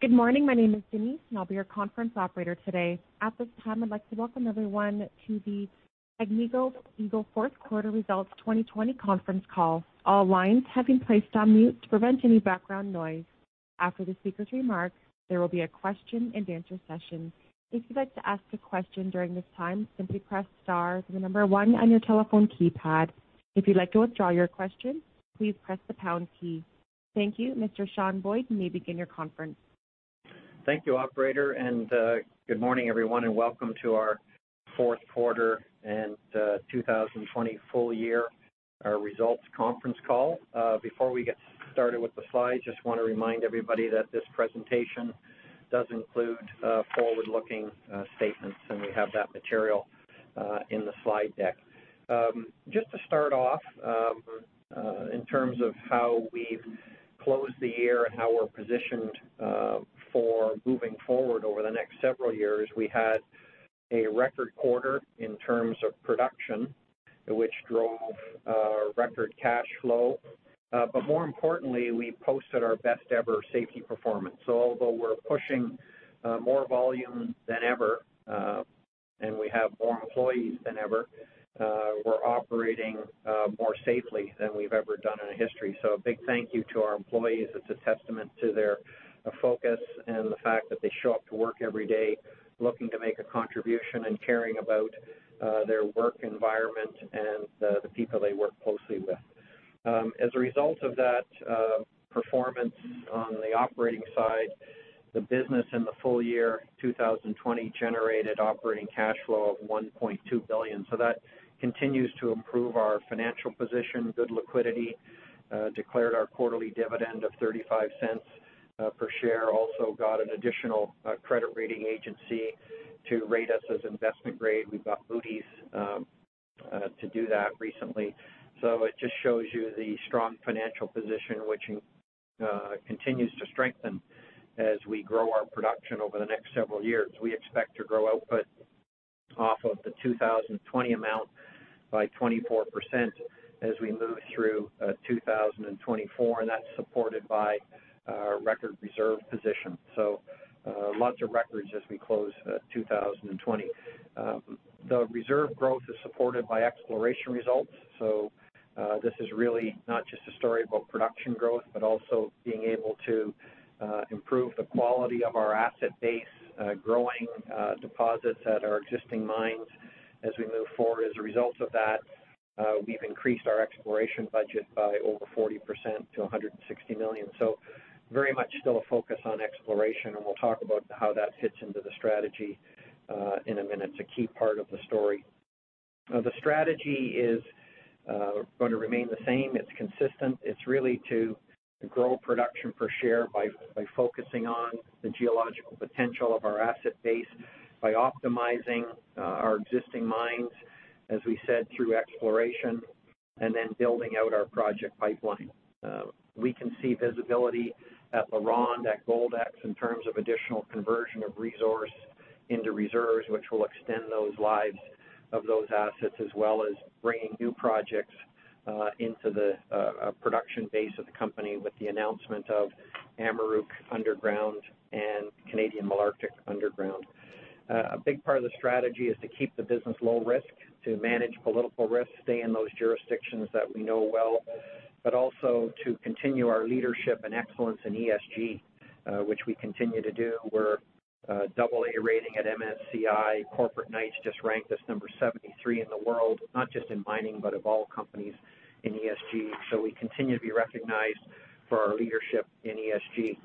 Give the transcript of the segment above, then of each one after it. Good morning. My name is Denise, and I'll be your conference operator today. At this time, I'd like to welcome everyone to the Agnico Eagle Fourth Quarter Results 2020 Conference Call. All lines have been placed on mute to prevent any background noise. After the speaker's remarks, there will be a question- and-answer session. If you'd like to ask a question during this time, simply press star one on your telephone keypad. If you'd like to withdraw your question, please press the pound key. Thank you. Mr. Sean Boyd, you may begin your conference. Thank you, operator. Good morning, everyone, and welcome to our fourth quarter and 2020 full-year results conference call. Before we get started with the slides, just want to remind everybody that this presentation does include forward-looking statements, and we have that material in the slide deck. Just to start off, in terms of how we've closed the year and how we're positioned for moving forward over the next several years, we had a record quarter in terms of production, which drove a record cash flow. More importantly, we posted our best-ever safety performance. Although we're pushing more volume than ever, and we have more employees than ever, we're operating more safely than we've ever done in our history. A big thank you to our employees. It's a testament to their focus and the fact that they show up to work every day looking to make a contribution and caring about their work environment and the people they work closely with. As a result of that performance on the operating side, the business in the full year 2020 generated operating cash flow of $1.2 billion. That continues to improve our financial position, good liquidity, declared our quarterly dividend of $0.35 per share, also got an additional credit rating agency to rate us as investment grade. We've got Moody's to do that recently. It just shows you the strong financial position, which continues to strengthen as we grow our production over the next several years. We expect to grow output off of the 2020 amount by 24% as we move through 2024, and that's supported by our record reserve position. Lots of records as we close 2020. The reserve growth is supported by exploration results. This is really not just a story about production growth, but also being able to improve the quality of our asset base, growing deposits at our existing mines as we move forward. As a result of that, we've increased our exploration budget by over 40% to $160 million. Very much still a focus on exploration, and we'll talk about how that fits into the strategy in a minute. It's a key part of the story. The strategy is going to remain the same. It's consistent. It's really to grow production per share by focusing on the geological potential of our asset base, by optimizing our existing mines, as we said, through exploration, and then building out our project pipeline. We can see visibility at LaRonde, at Goldex, in terms of additional conversion of resource into reserves, which will extend those lives of those assets, as well as bringing new projects into the production base of the company with the announcement of Amaruq underground and Canadian Malartic underground. A big part of the strategy is to keep the business low risk, to manage political risk, stay in those jurisdictions that we know well, but also to continue our leadership and excellence in ESG, which we continue to do. We're AA rating at MSCI. Corporate Knights just ranked us number 73 in the world, not just in mining, but of all companies in ESG. We continue to be recognized for our leadership in ESG.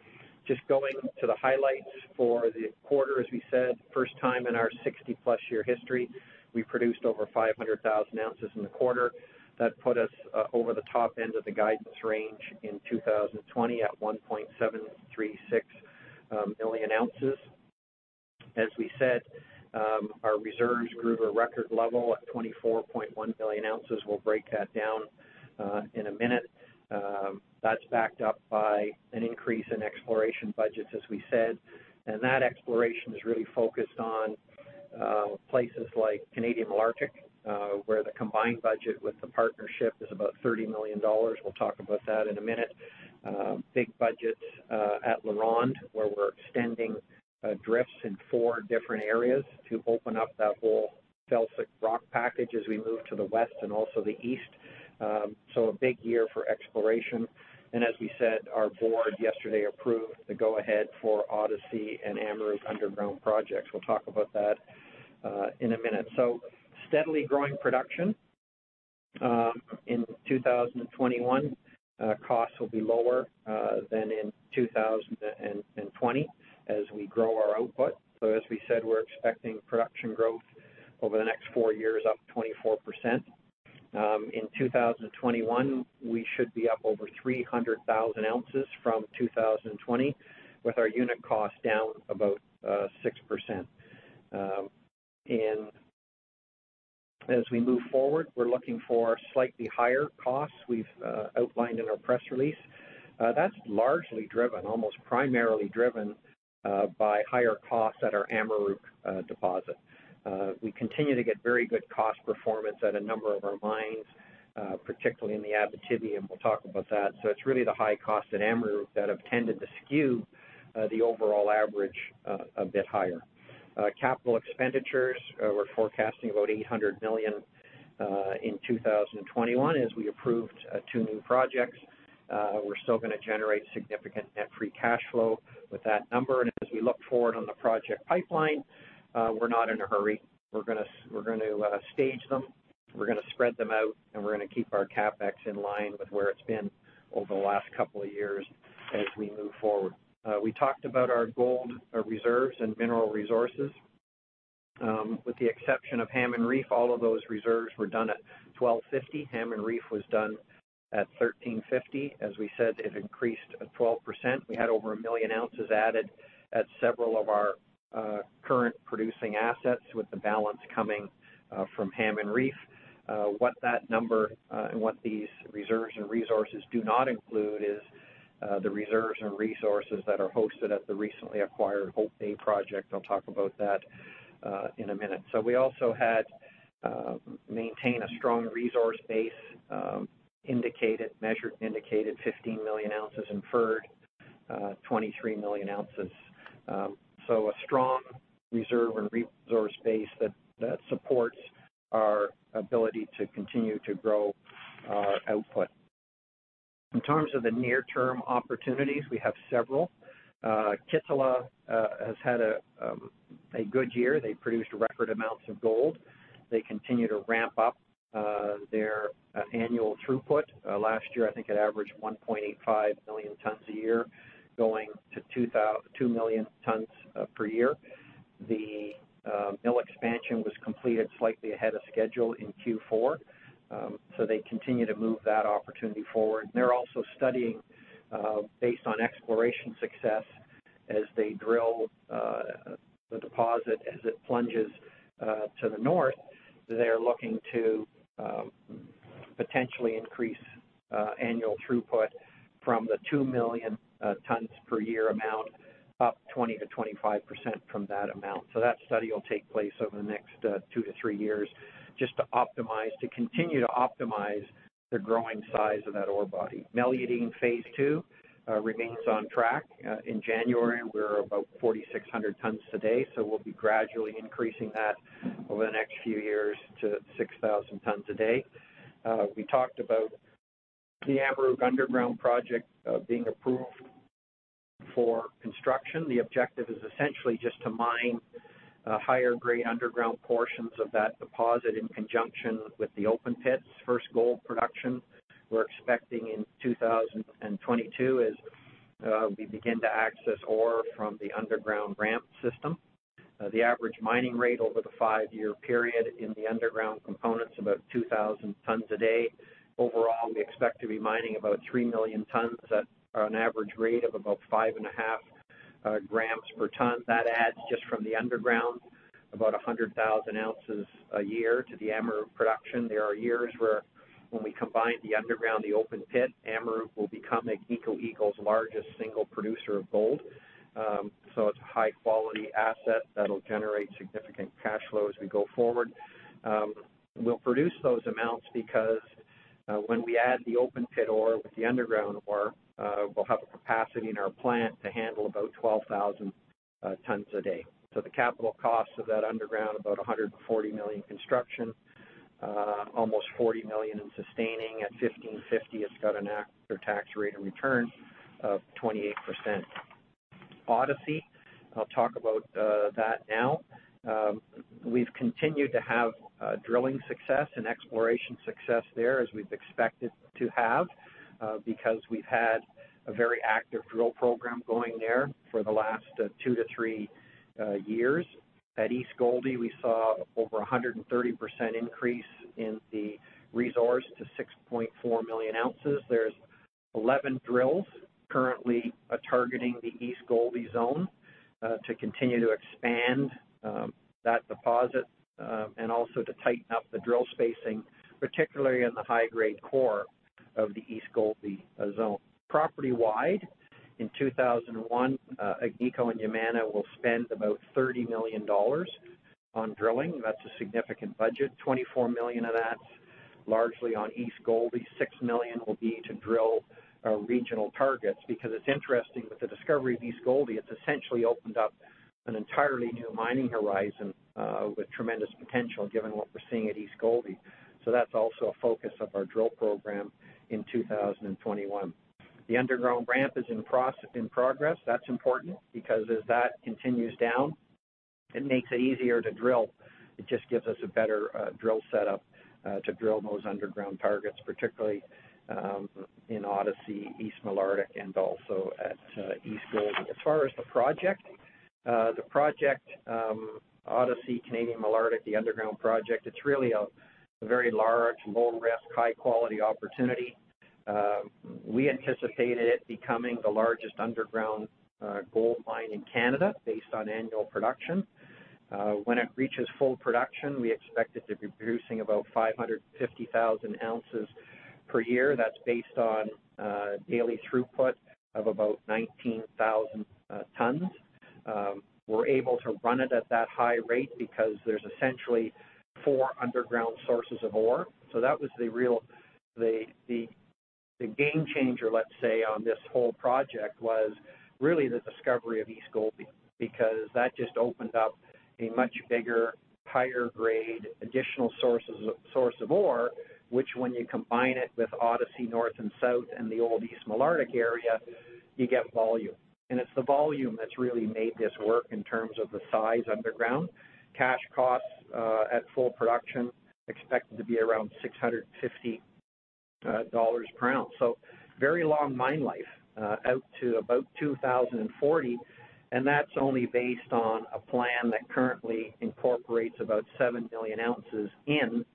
Just going to the highlights for the quarter, as we said, first time in our 60-plus year history, we produced over 500,000 ounces in the quarter. That put us over the top end of the guidance range in 2020 at 1.736 million ounces. As we said, our reserves grew to a record level at 24.1 million ounces. We'll break that down in a minute. That's backed up by an increase in exploration budgets, as we said. That exploration is really focused on places like Canadian Malartic, where the combined budget with the partnership is about $30 million. We'll talk about that in a minute. Big budgets at LaRonde, where we're extending drifts in four different areas to open up that whole felsic rock package as we move to the west and also the east. A big year for exploration. As we said, our board yesterday approved the go ahead for Odyssey and Amaruq underground projects. We'll talk about that in a minute. Steadily growing production. In 2021, costs will be lower than in 2020 as we grow our output. As we said, we're expecting production growth over the next four years up 24%. In 2021, we should be up over 300,000 ounces from 2020, with our unit cost down about 6%. As we move forward, we're looking for slightly higher costs we've outlined in our press release. That's largely driven, almost primarily driven, by higher costs at our Amaruq deposit. We continue to get very good cost performance at a number of our mines, particularly in the Abitibi, and we'll talk about that. It's really the high cost at Amaruq that have tended to skew the overall average a bit higher. Capital expenditures, we're forecasting about $800 million in 2021, as we approved two new projects. We're still going to generate significant net free cash flow with that number. As we look forward on the project pipeline, we're not in a hurry. We're going to stage them, we're going to spread them out, and we're going to keep our CapEx in line with where it's been over the last couple of years as we move forward. We talked about our gold reserves and mineral resources. With the exception of Hammond Reef, all of those reserves were done at $1,250. Hammond Reef was done at $1,350. As we said, it increased at 12%. We had over a million ounces added at several of our current producing assets, with the balance coming from Hammond Reef. What that number, and what these reserves and resources do not include, is the reserves and resources that are hosted at the recently acquired Hope Bay project. I'll talk about that in a minute. We also had maintained a strong resource base, measured indicated 15 million ounces, inferred 23 million ounces. A strong reserve and resource base that supports our ability to continue to grow our output. In terms of the near-term opportunities, we have several. Kittila has had a good year. They produced record amounts of gold. They continue to ramp up their annual throughput. Last year, I think it averaged 1.85 million tons a year, going to 2 million tons per year. The mill expansion was completed slightly ahead of schedule in Q4. They continue to move that opportunity forward. They're also studying, based on exploration success, as they drill the deposit, as it plunges to the north, they're looking to potentially increase annual throughput from the 2 million tons per year amount up 20%-25% from that amount. That study will take place over the next two to three years just to continue to optimize the growing size of that ore body. Malartic phase 2 remains on track. In January, we were about 4,600 tons a day, we'll be gradually increasing that over the next few years to 6,000 tons a day. We talked about the Amaruq underground project being approved for construction. The objective is essentially just to mine higher grade underground portions of that deposit in conjunction with the open pits. First gold production we're expecting in 2022 as we begin to access ore from the underground ramp system. The average mining rate over the five-year period in the underground component's about 2,000 tons a day. Overall, we expect to be mining about 3 million tons at an average rate of about 2.5 grams per ton. That adds, just from the underground, about 100,000 ounces a year to the Amaruq production. There are years where when we combine the underground, the open pit, Amaruq will become Agnico Eagle's largest single producer of gold. It's a high-quality asset that'll generate significant cash flow as we go forward. We'll produce those amounts because when we add the open-pit ore with the underground ore, we'll have a capacity in our plant to handle about 12,000 tons a day. The capital cost of that underground, about $140 million construction, almost $40 million in sustaining. At $1,550, it's got an after-tax rate of return of 28%. Odyssey, I'll talk about that now. We've continued to have drilling success and exploration success there, as we've expected to have, because we've had a very active drill program going there for the last two to three years. At East Gouldie, we saw over 130% increase in the resource to 6.4 million ounces. There's 11 drills currently targeting the East Gouldie zone to continue to expand that deposit, and also to tighten up the drill spacing, particularly in the high-grade core of the East Gouldie zone. Property-wide, in 2021, Agnico and Yamana will spend about $30 million on drilling. That's a significant budget. $24 million of that's largely on East Gouldie. $6 million will be to drill regional targets, because it's interesting, with the discovery of East Gouldie, it's essentially opened up an entirely new mining horizon with tremendous potential given what we're seeing at East Gouldie. That's also a focus of our drill program in 2021. The underground ramp is in progress. That's important, because as that continues down, it makes it easier to drill. It just gives us a better drill setup to drill those underground targets, particularly in Odyssey, East Malartic, and also at East Gouldie. As far as the project, Odyssey, Canadian Malartic, the underground project, it's really a very large, low-risk, high-quality opportunity. We anticipated it becoming the largest underground gold mine in Canada based on annual production. When it reaches full production, we expect it to be producing about 550,000 ounces per year, that's based on daily throughput of about 19,000 tons. We're able to run it at that high rate because there's essentially four underground sources of ore. That was the real game changer, let's say, on this whole project was really the discovery of East Gouldie, because that just opened up a much bigger, higher grade, additional source of ore, which when you combine it with Odyssey North and South and the old East Malartic area, you get volume. It's the volume that's really made this work in terms of the size underground. Cash costs at full production expected to be around $650 per ounce. Very long mine life, out to about 2040, and that's only based on a plan that currently incorporates about 7 million ounces in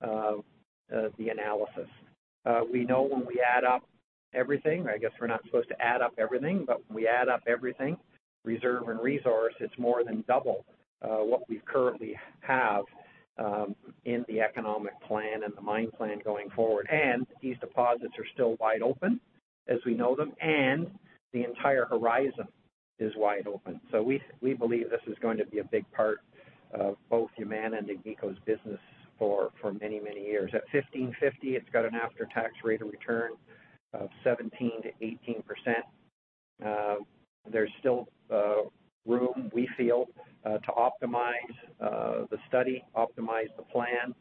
the analysis. We know when we add up everything, I guess we're not supposed to add up everything, but when we add up everything, reserve and resource, it's more than double what we currently have in the economic plan and the mine plan going forward. These deposits are still wide open as we know them, and the entire horizon is wide open. We believe this is going to be a big part of both Yamana and Agnico's business for many, many years. At $1,550, it's got an after-tax rate of return of 17%-18%. There's still room, we feel, to optimize the study, optimize the plan.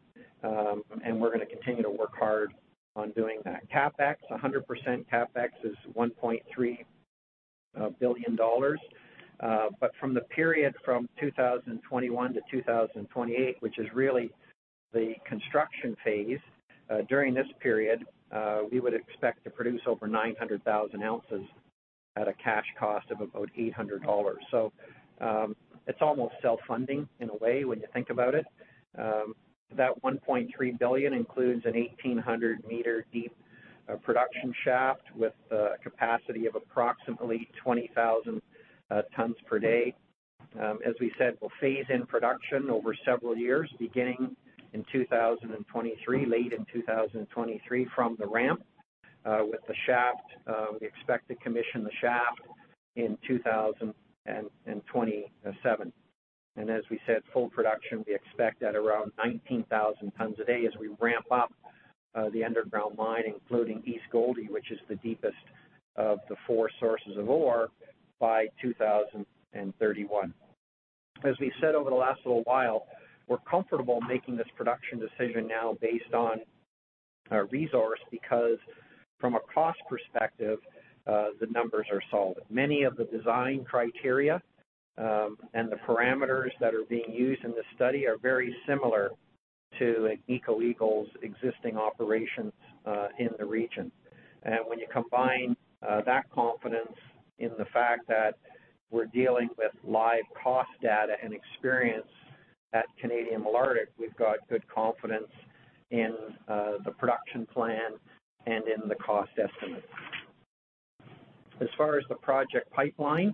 We're going to continue to work hard on doing that. CapEx, 100% CapEx is $ 1.3 billion. From the period from 2021-2028, which is really the construction phase, during this period, we would expect to produce over 900,000 ounces at a cash cost of about $800. It's almost self-funding in a way when you think about it. That $ .3 billion includes an 1,800-meter-deep production shaft with a capacity of approximately 20,000 tons per day. As we said, we'll phase in production over several years, beginning in 2023, late in 2023 from the ramp. With the shaft, we expect to commission the shaft in 2027. As we said, full production we expect at around 19,000 tons a day as we ramp up the underground mine, including East Gouldie, which is the deepest of the four sources of ore, by 2031. As we said over the last little while, we're comfortable making this production decision now based on resource, because from a cost perspective, the numbers are solid. Many of the design criteria, and the parameters that are being used in this study are very similar to Agnico Eagle's existing operations in the region. When you combine that confidence in the fact that we're dealing with live cost data and experience at Canadian Malartic, we've got good confidence in the production plan and in the cost estimate. As far as the project pipeline,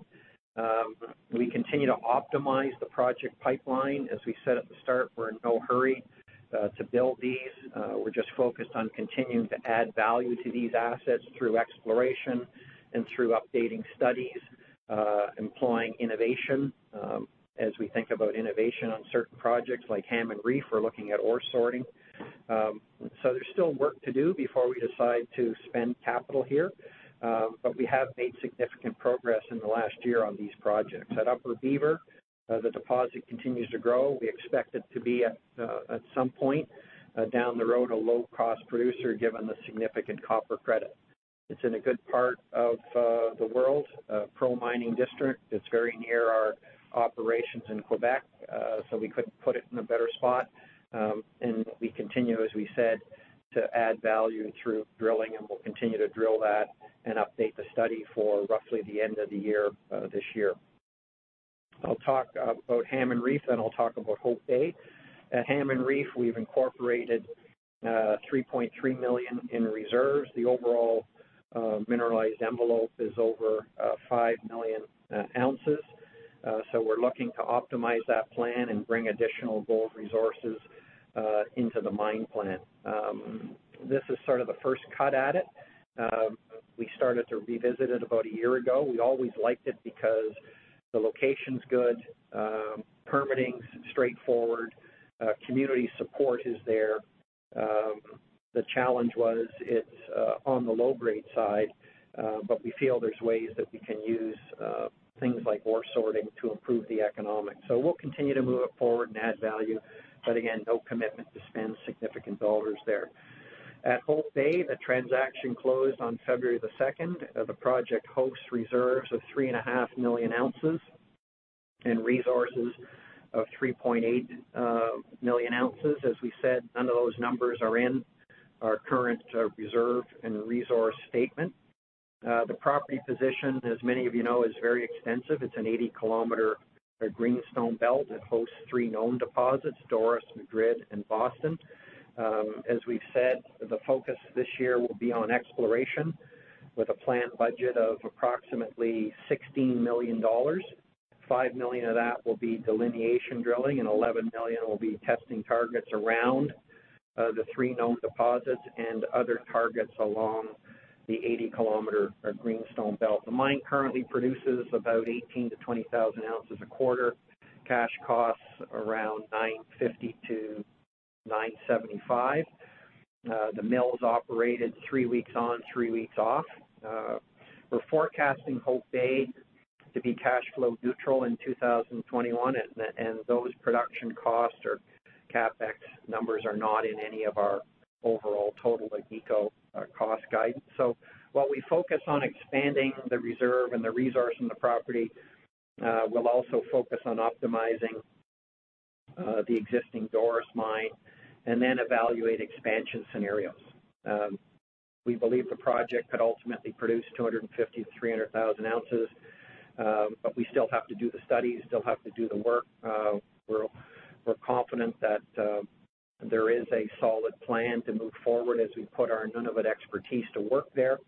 we continue to optimize the project pipeline. As we said at the start, we're in no hurry to build these. We're just focused on continuing to add value to these assets through exploration and through updating studies, employing innovation. As we think about innovation on certain projects like Hammond Reef, we're looking at ore sorting. There's still work to do before we decide to spend capital here. We have made significant progress in the last year on these projects. At Upper Beaver, the deposit continues to grow. We expect it to be at some point down the road a low-cost producer, given the significant copper credit. It's in a good part of the world, a pro-mining district. It's very near our operations in Quebec, so we couldn't put it in a better spot. We continue, as we said, to add value through drilling, and we'll continue to drill that and update the study for roughly the end of the year this year. I'll talk about Hammond Reef, then I'll talk about Hope Bay. At Hammond Reef, we've incorporated 3.3 million in reserves. The overall mineralized envelope is over 5 million ounces. We're looking to optimize that plan and bring additional gold resources into the mine plan. This is sort of the first cut at it. We started to revisit it about a year ago. We always liked it because the location's good, permitting's straightforward, community support is there. The challenge was it's on the low-grade side, but we feel there's ways that we can use things like ore sorting to improve the economics. We'll continue to move it forward and add value. Again, no commitment to spend significant dollars there. At Hope Bay, the transaction closed on February 2nd. The project hosts reserves of three and a half million ounces and resources of 3.8 million ounces. As we said, none of those numbers are in our current reserve and resource statement. The property position, as many of you know, is very extensive. It's an 80 km greenstone belt that hosts three known deposits, Doris, Madrid, and Boston. As we've said, the focus this year will be on exploration with a planned budget of approximately $16 million. $5 million of that will be delineation drilling, and $11 million will be testing targets around the three known deposits and other targets along the 80-kilometer greenstone belt. The mine currently produces about 18,000 to 20,000 ounces a quarter. Cash costs around $950 to $975. The mill is operated three weeks on, three weeks off. We're forecasting Hope Bay to be cash flow neutral in 2021, and those production costs or CapEx numbers are not in any of our overall total Agnico cost guidance. While we focus on expanding the reserve and the resource in the property, we'll also focus on optimizing the existing Doris mine and then evaluate expansion scenarios. We believe the project could ultimately produce 250,000 to 300,000 ounces. We still have to do the study, still have to do the work. We're confident that there is a solid plan to move forward as we put our Nunavut expertise to work there.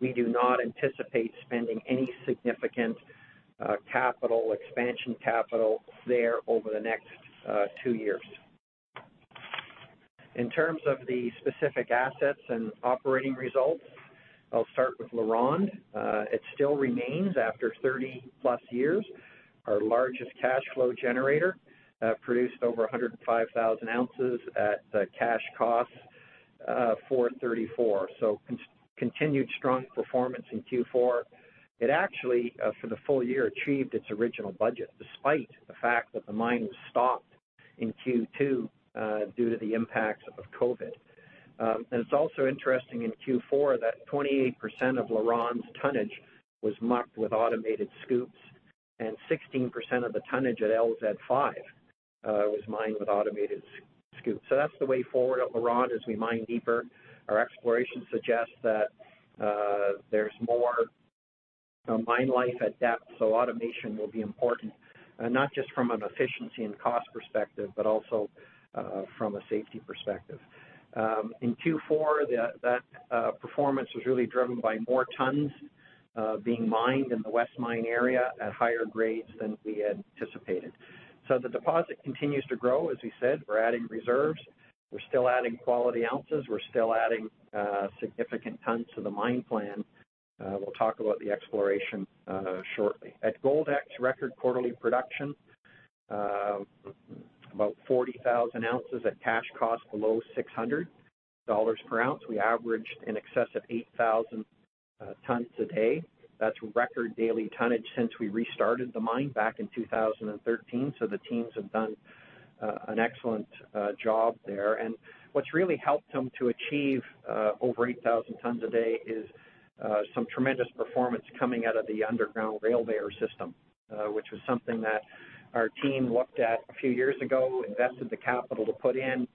We do not anticipate spending any significant expansion capital there over the next two years. In terms of the specific assets and operating results, I'll start with LaRonde. It still remains, after 30-plus years, our largest cash flow generator. Produced over 105,000 ounces at a cash cost, $434. Continued strong performance in Q4. It actually, for the full year, achieved its original budget despite the fact that the mine was stopped in Q2, due to the impacts of COVID. It's also interesting in Q4 that 28% of LaRonde's tonnage was mucked with automated scoops, and 16% of the tonnage at LZ 5 was mined with automated scoops. That's the way forward at LaRonde as we mine deeper. Our exploration suggests that there's more mine life at depth, so automation will be important, not just from an efficiency and cost perspective, but also from a safety perspective. In Q4, that performance was really driven by more tons being mined in the West Mine area at higher grades than we had anticipated. The deposit continues to grow. As we said, we're adding reserves. We're still adding quality ounces. We're still adding significant tons to the mine plan. We'll talk about the exploration shortly. At Goldex, record quarterly production. About 40,000 ounces at cash cost below $600 per ounce. We averaged in excess of 8,000 tons a day. That's record daily tonnage since we restarted the mine back in 2013, so the teams have done an excellent job there. What's really helped them to achieve over 8,000 tons a day is some tremendous performance coming out of the underground Rail-Veyor system, which was something that our team looked at a few years ago, invested the capital to put in,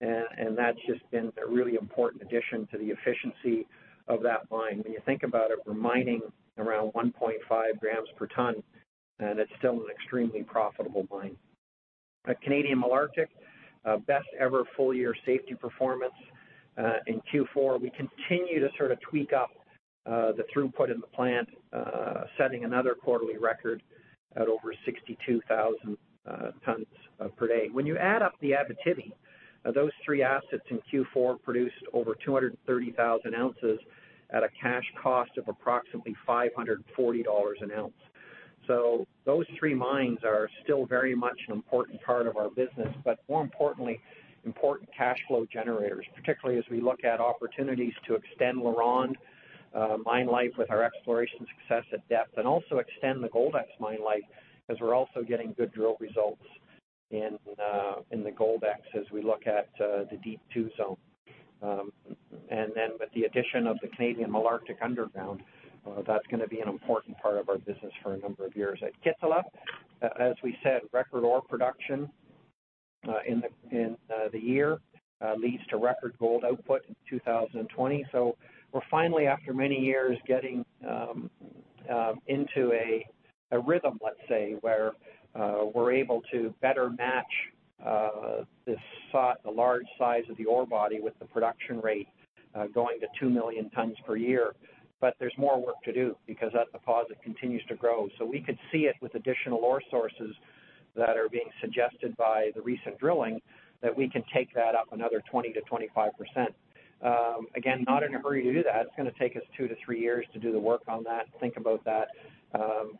and that's just been a really important addition to the efficiency of that mine. When you think about it, we're mining around 1.5 grams per ton, and it's still an extremely profitable mine. At Canadian Malartic, best ever full-year safety performance. In Q4, we continue to sort of tweak up the throughput in the plant, setting another quarterly record at over 62,000 tons per day. When you add up the Abitibi, those three assets in Q4 produced over 230,000 ounces at a cash cost of approximately $540 an ounce. Those three mines are still very much an important part of our business. More importantly, important cash flow generators, particularly as we look at opportunities to extend LaRonde mine life with our exploration success at depth and also extend the Goldex mine life, as we're also getting good drill results in the Goldex as we look at the Deep 2 zone. With the addition of the Canadian Malartic underground, that's going to be an important part of our business for a number of years. At Kittila, as we said, record ore production in the year leads to record gold output in 2020. We're finally, after many years, getting into a rhythm, let's say, where we're able to better match the large size of the ore body with the production rate going to 2 million tons per year. There's more work to do because that deposit continues to grow. We could see it with additional ore sources that are being suggested by the recent drilling that we can take that up another 20%-25%. Again, not in a hurry to do that. It's going to take us two to three years to do the work on that and think about that.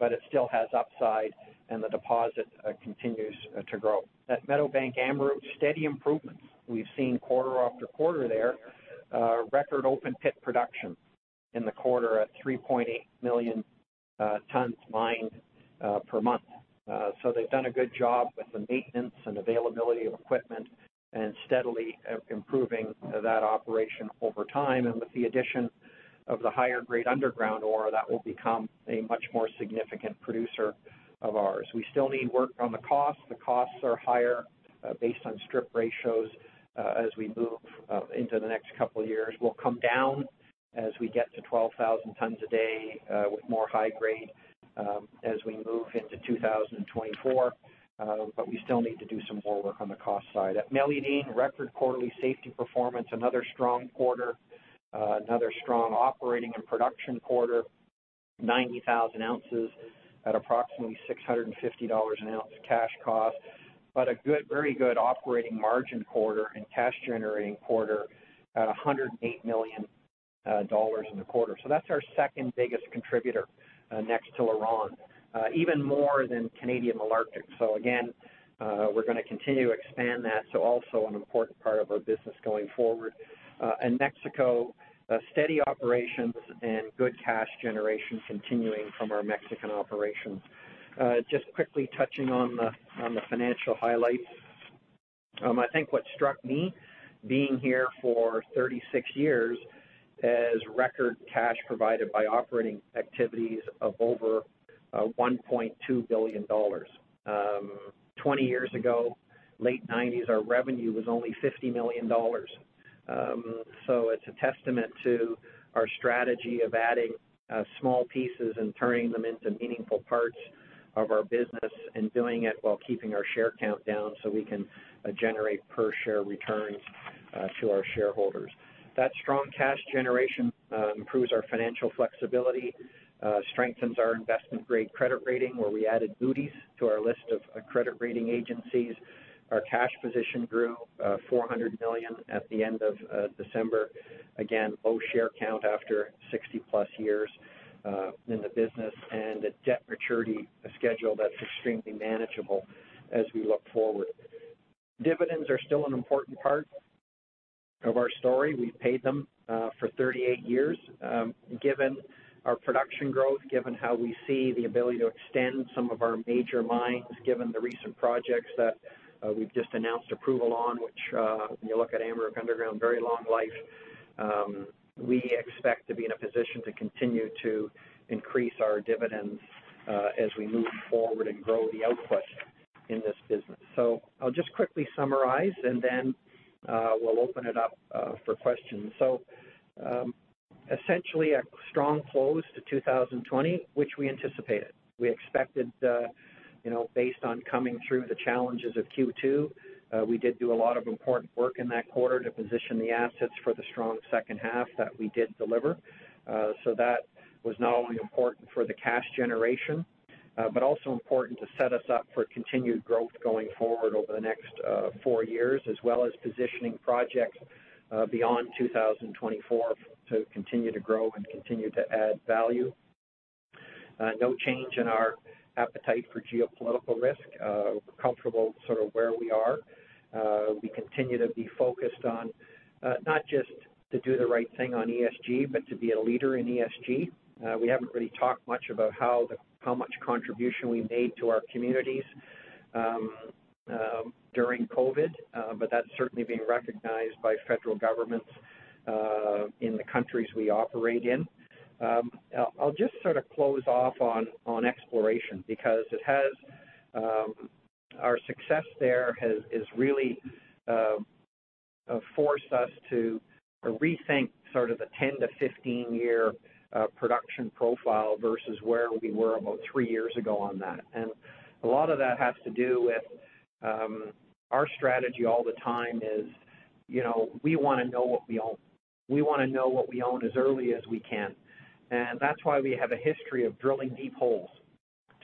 It still has upside and the deposit continues to grow. At Meadowbank Amaruq, steady improvements. We've seen quarter after quarter there. Record open pit production in the quarter at 3.8 million tons mined per month. They've done a good job with the maintenance and availability of equipment and steadily improving that operation over time. With the addition of the higher-grade underground ore, that will become a much more significant producer of ours. We still need work on the costs. The costs are higher based on strip ratios as we move into the next couple of years. We'll come down as we get to 12,000 tons a day with more high grade as we move into 2024. We still need to do some more work on the cost side. At Meliadine, record quarterly safety performance, another strong quarter, another strong operating and production quarter, 90,000 ounces at approximately $650 an ounce cash cost, but a very good operating margin quarter and cash generating quarter at $108 million in the quarter. That's our second biggest contributor, next to LaRonde, even more than Canadian Malartic. Again, we're going to continue to expand that, so also an important part of our business going forward. Mexico, steady operations and good cash generation continuing from our Mexican operations. Just quickly touching on the financial highlights. I think what struck me, being here for 36 years, is record cash provided by operating activities of over $1.2 billion. 20 years ago, late 1990s, our revenue was only $50 million. It's a testament to our strategy of adding small pieces and turning them into meaningful parts of our business and doing it while keeping our share count down so we can generate per share returns to our shareholders. That strong cash generation improves our financial flexibility, strengthens our investment grade credit rating, where we added Moody's to our list of credit rating agencies. Our cash position grew $400 million at the end of December. Again, low share count after 60-plus years in the business, and a debt maturity schedule that's extremely manageable as we look forward. Dividends are still an important part of our story. We've paid them for 38 years. Given our production growth, given how we see the ability to extend some of our major mines, given the recent projects that we've just announced approval on, which, when you look at Amaruq underground, very long life, we expect to be in a position to continue to increase our dividends as we move forward and grow the output in this business. I'll just quickly summarize and then we'll open it up for questions. Essentially, a strong close to 2020, which we anticipated. We expected, based on coming through the challenges of Q2, we did do a lot of important work in that quarter to position the assets for the strong second half that we did deliver. That was not only important for the cash generation, but also important to set us up for continued growth going forward over the next four years, as well as positioning projects beyond 2024 to continue to grow and continue to add value. No change in our appetite for geopolitical risk. We're comfortable sort of where we are. We continue to be focused on not just to do the right thing on ESG, but to be a leader in ESG. We haven't really talked much about how much contribution we made to our communities during COVID, but that's certainly being recognized by federal governments in the countries we operate in. I'll just sort of close off on exploration, because our success there has really forced us to rethink sort of the 10-15 year production profile versus where we were about three years ago on that. A lot of that has to do with our strategy all the time is, we want to know what we own as early as we can. That's why we have a history of drilling deep holes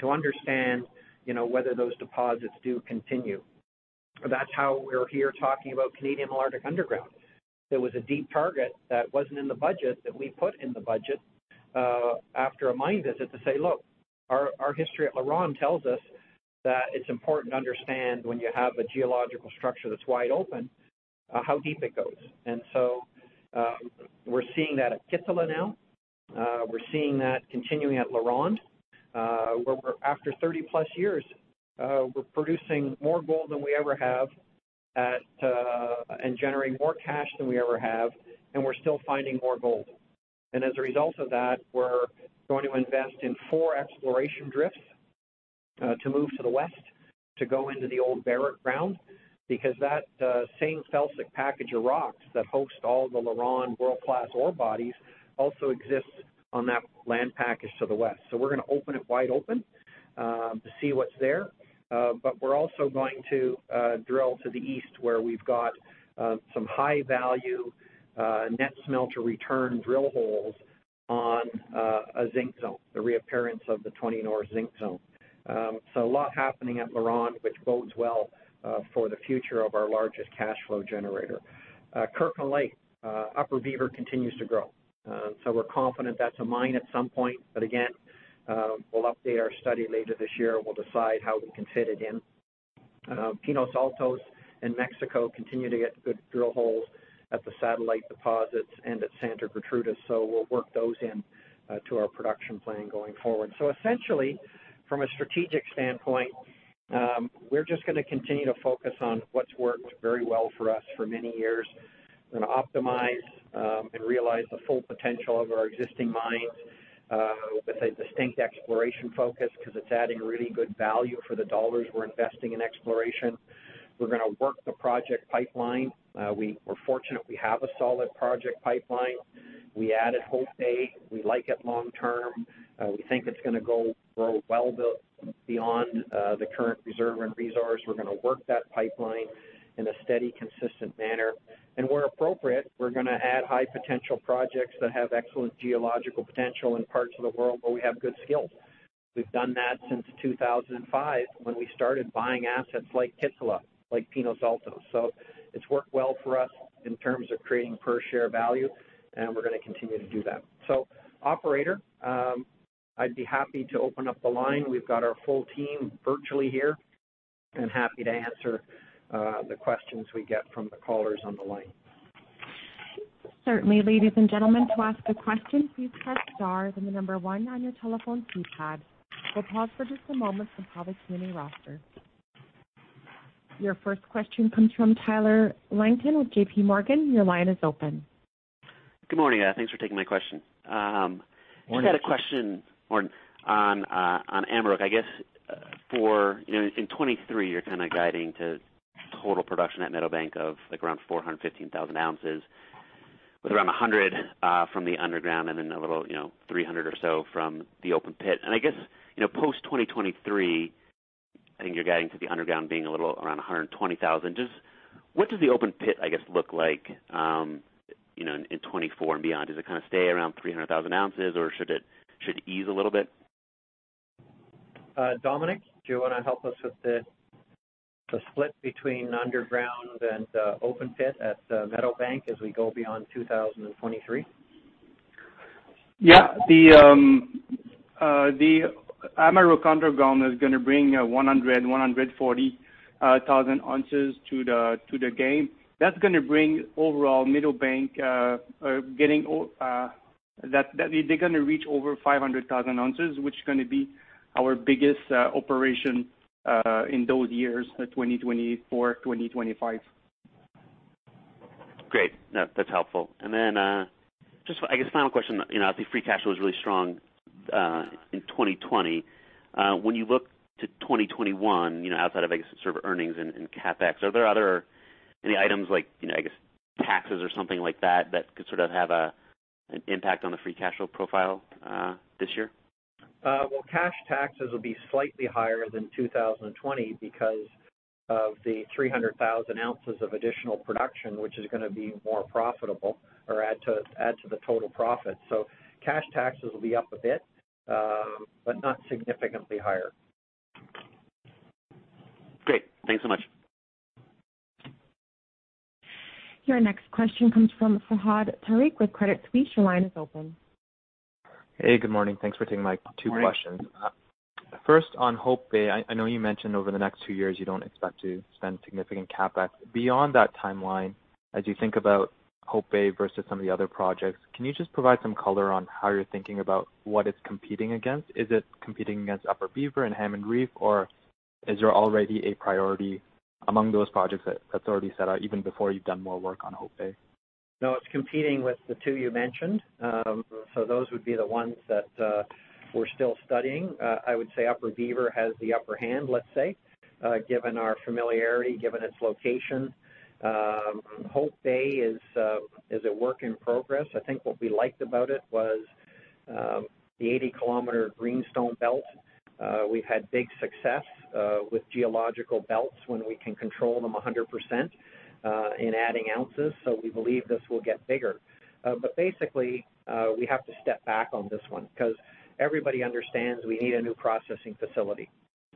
to understand whether those deposits do continue. That's how we're here talking about Canadian Malartic Underground. There was a deep target that wasn't in the budget that we put in the budget after a mine visit to say, "Look, our history at LaRonde tells us that it's important to understand when you have a geological structure that's wide open, how deep it goes." We're seeing that at Kittila now. We're seeing that continuing at LaRonde, where after 30-plus years, we're producing more gold than we ever have and generating more cash than we ever have, and we're still finding more gold. As a result of that, we're going to invest in four exploration drifts to move to the west to go into the old Barrick ground, because that same felsic package of rocks that host all the LaRonde world-class ore bodies also exists on that land package to the west. We're going to open it wide open to see what's there. We're also going to drill to the east, where we've got some high-value net smelter return drill holes on a zinc zone, the reappearance of the 20 North zinc zone. A lot happening at LaRonde, which bodes well for the future of our largest cash flow generator. Kirkland Lake, Upper Beaver continues to grow. We're confident that's a mine at some point. Again, we'll update our study later this year and we'll decide how we can fit it in. Pinos Altos in Mexico continue to get good drill holes at the satellite deposits and at Santa Gertrudis. We'll work those in to our production plan going forward. Essentially, from a strategic standpoint, we're just going to continue to focus on what's worked very well for us for many years and optimize and realize the full potential of our existing mines with a distinct exploration focus because it's adding really good value for the dollars we're investing in exploration. We're going to work the project pipeline. We're fortunate we have a solid project pipeline. We added Hope Bay. We like it long term. We think it's going to grow well beyond the current reserve and resource. We're going to work that pipeline in a steady, consistent manner. Where appropriate, we're going to add high potential projects that have excellent geological potential in parts of the world where we have good skills. We've done that since 2005 when we started buying assets like Kittila, like Pinos Altos. It's worked well for us in terms of creating per share value, and we're going to continue to do that. Operator, I'd be happy to open up the line. We've got our full team virtually here and happy to answer the questions we get from the callers on the line. Certainly. Ladies and gentlemen, to ask a question, please press star, then the number one on your telephone keypad. We will pause for just a moment to pull the Q&A roster. Your first question comes from Tyler Langton with JPMorgan. Your line is open. Good morning. Thanks for taking my question. Morning. Just had a question, on Amaruq. I guess in 2023, you're kind of guiding to total production at Meadowbank of around 415,000 ounces, with around 100 from the underground and then 300 or so from the open pit. I guess, post 2023, I think you're guiding to the underground being a little around 120,000. Just what does the open pit, I guess, look like in 2024 and beyond? Does it kind of stay around 300,000 ounces or should it ease a little bit? Dominique, do you want to help us with the split between underground and open pit at Meadowbank as we go beyond 2023? Yeah. The Amaruq underground is going to bring 100,000, 140,000 ounces to the game. That's going to bring overall Meadowbank, they're going to reach over 500,000 ounces, which is going to be our biggest operation in those years, so 2024, 2025. Great. No, that's helpful. Just I guess final question. I'll say free cash flow is really strong in 2020. When you look to 2021, outside of, I guess sort of earnings and CapEx, are there any items like, I guess, taxes or something like that could sort of have an impact on the free cash flow profile this year? Well, cash taxes will be slightly higher than 2020 because of the 300,000 ounces of additional production, which is going to be more profitable or add to the total profit. Cash taxes will be up a bit, but not significantly higher. Great. Thanks so much. Your next question comes from Fahad Tariq with Credit Suisse. Your line is open. Hey, good morning. Thanks for taking my two questions. Good morning. On Hope Bay, I know you mentioned over the next two years, you don't expect to spend significant CapEx. Beyond that timeline, as you think about Hope Bay versus some of the other projects, can you just provide some color on how you're thinking about what it's competing against? Is it competing against Upper Beaver and Hammond Reef, or is there already a priority among those projects that's already set out, even before you've done more work on Hope Bay? No, it's competing with the two you mentioned. Those would be the ones that we're still studying. I would say Upper Beaver has the upper hand, let's say, given our familiarity, given its location. Hope Bay is a work in progress. I think what we liked about it was the 80-kilometer greenstone belt. We've had big success with geological belts when we can control them 100% in adding ounces, so we believe this will get bigger. Basically, we have to step back on this one because everybody understands we need a new processing facility.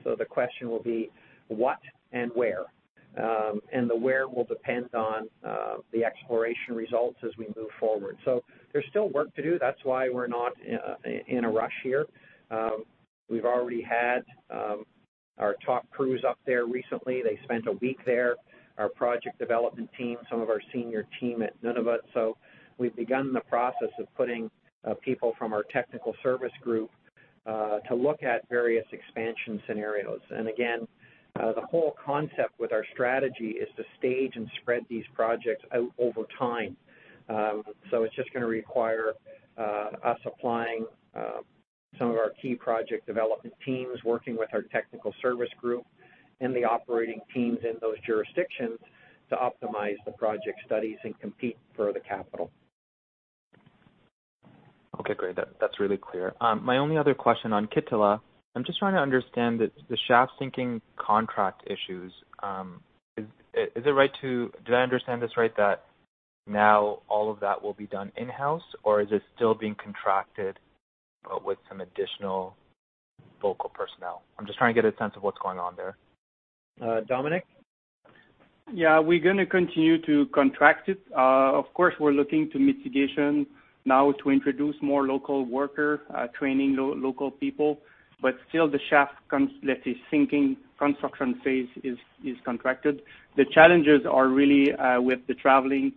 The question will be what and where? The where will depend on the exploration results as we move forward. There's still work to do. That's why we're not in a rush here. We've already had our top crews up there recently. They spent a week there, our project development team, some of our senior team at Nunavut. We've begun the process of putting people from our technical service group to look at various expansion scenarios. Again, the whole concept with our strategy is to stage and spread these projects out over time. It's just going to require us applying some of our key project development teams, working with our technical service group and the operating teams in those jurisdictions to optimize the project studies and compete for the capital. Okay, great. That's really clear. My only other question on Kittila, I'm just trying to understand the shaft sinking contract issues. Did I understand this right that now all of that will be done in-house, or is it still being contracted but with some additional local personnel? I'm just trying to get a sense of what's going on there. Dominique? Yeah. We're going to continue to contract it. Of course, we're looking to mitigation now to introduce more local worker, training local people. Still the shaft, that is sinking construction phase is contracted. The challenges are really with the traveling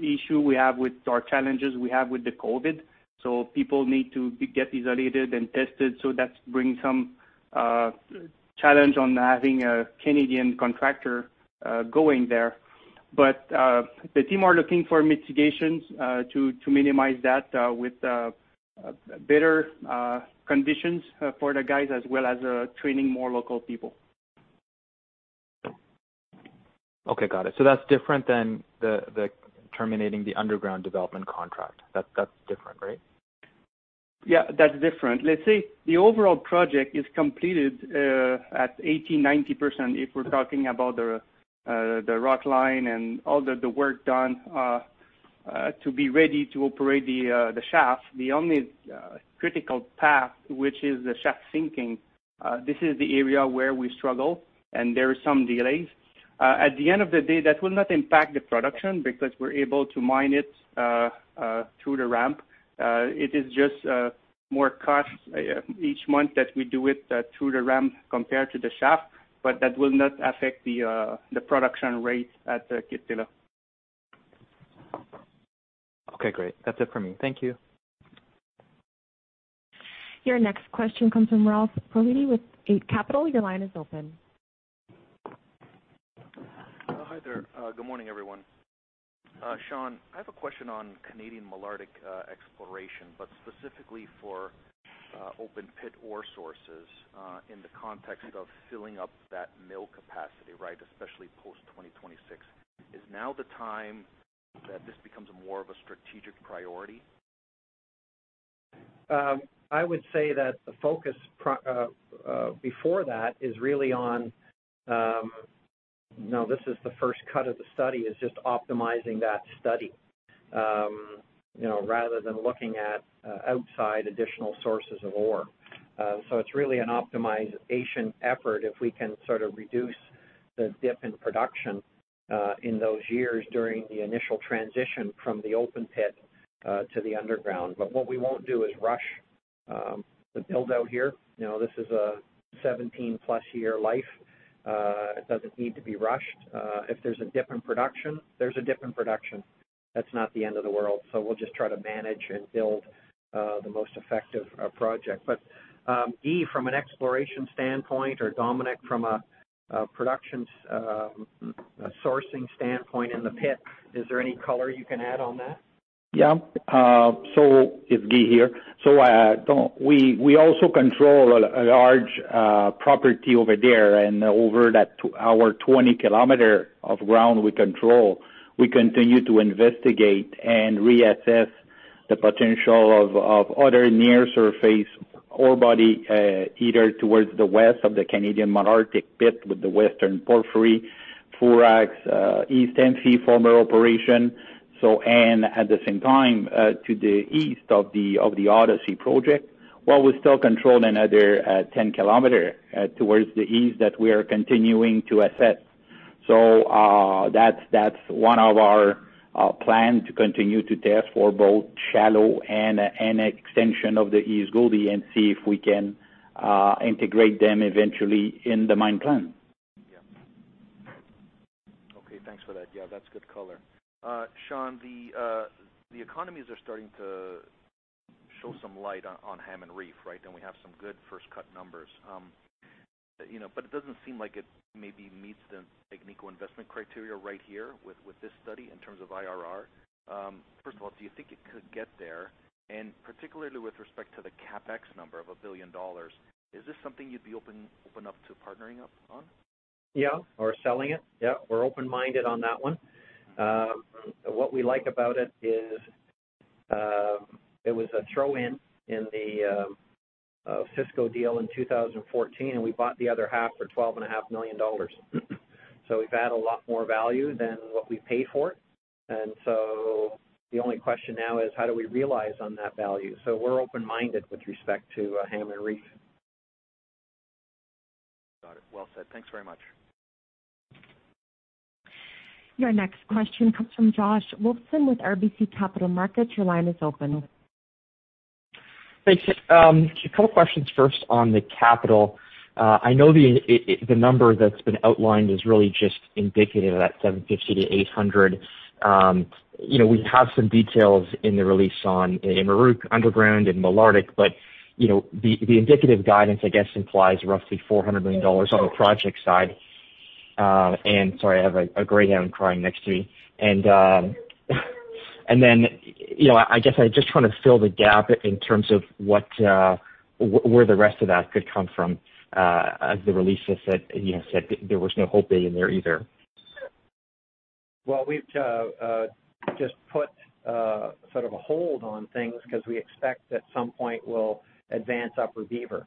issue we have with the COVID. People need to get isolated and tested, so that brings some challenge on having a Canadian contractor going there. The team are looking for mitigations to minimize that with better conditions for the guys, as well as training more local people. Okay, got it. That's different than terminating the underground development contract. That's different, right? Yeah, that's different. Let's say the overall project is completed at 80, 90%, if we're talking about the rock line and all the work done to be ready to operate the shaft. The only critical path, which is the shaft sinking, this is the area where we struggle, and there are some delays. At the end of the day, that will not impact the production because we're able to mine it through the ramp. It is just more cost each month that we do it through the ramp compared to the shaft, but that will not affect the production rate at Kittilä. Okay, great. That's it for me. Thank you. Your next question comes from Ralph Profiti with Eight Capital. Your line is open. Hi there. Good morning, everyone. Sean, I have a question on Canadian Malartic exploration, but specifically for open pit ore sources in the context of filling up that mill capacity, right? Especially post 2026. Is now the time that this becomes more of a strategic priority? I would say that the focus before that is really on, now this is the first cut of the study, is just optimizing that study, rather than looking at outside additional sources of ore. It's really an optimization effort if we can sort of reduce the dip in production, in those years during the initial transition from the open pit to the underground. What we won't do is rush the build-out here. This is a 17-plus year life. It doesn't need to be rushed. If there's a dip in production, there's a dip in production. That's not the end of the world. We'll just try to manage and build the most effective project. Guy, from an exploration standpoint, or Dominique from a production sourcing standpoint in the pit, is there any color you can add on that? Yeah. It's Guy here. We also control a large property over there and over our 20 kilometer of ground we control, we continue to investigate and reassess the potential of other near surface ore body, either towards the west of the Canadian Malartic pit with the Western Porphyry, Fourax, East End former operation. At the same time, to the east of the Odyssey project, while we still control another 10 kilometer towards the east that we are continuing to assess. That's one of our plan to continue to test for both shallow and extension of the East Gouldie and see if we can integrate them eventually in the mine plan. Yeah. Okay, thanks for that. Yeah, that's good color. Sean, the economies are starting to show some light on Hammond Reef, right? We have some good first cut numbers. It doesn't seem like it maybe meets the technical investment criteria right here with this study in terms of IRR. First of all, do you think it could get there? Particularly with respect to the CapEx number of $1 billion, is this something you'd be open up to partnering up on? Or selling it, we're open-minded on that one. What we like about it is, it was a throw-in in the Osisko deal in 2014, and we bought the other half for $12.5 million. We've added a lot more value than what we paid for it. The only question now is, how do we realize on that value? We're open-minded with respect to Hammond Reef. Got it. Well said. Thanks very much. Your next question comes from Josh Wolfson with RBC Capital Markets. Your line is open. Thanks. A couple questions first on the capital. I know the number that's been outlined is really just indicative of that $750-$800. We have some details in the release on Amaruq Underground and Malartic. The indicative guidance, I guess, implies roughly $400 million on the project side. Sorry, I have a greyhound crying next to me. I guess I just want to fill the gap in terms of where the rest of that could come from. As the release just said, there was no Hope Bay in there either. Well, we've just put a hold on things because we expect at some point we'll advance Upper Beaver.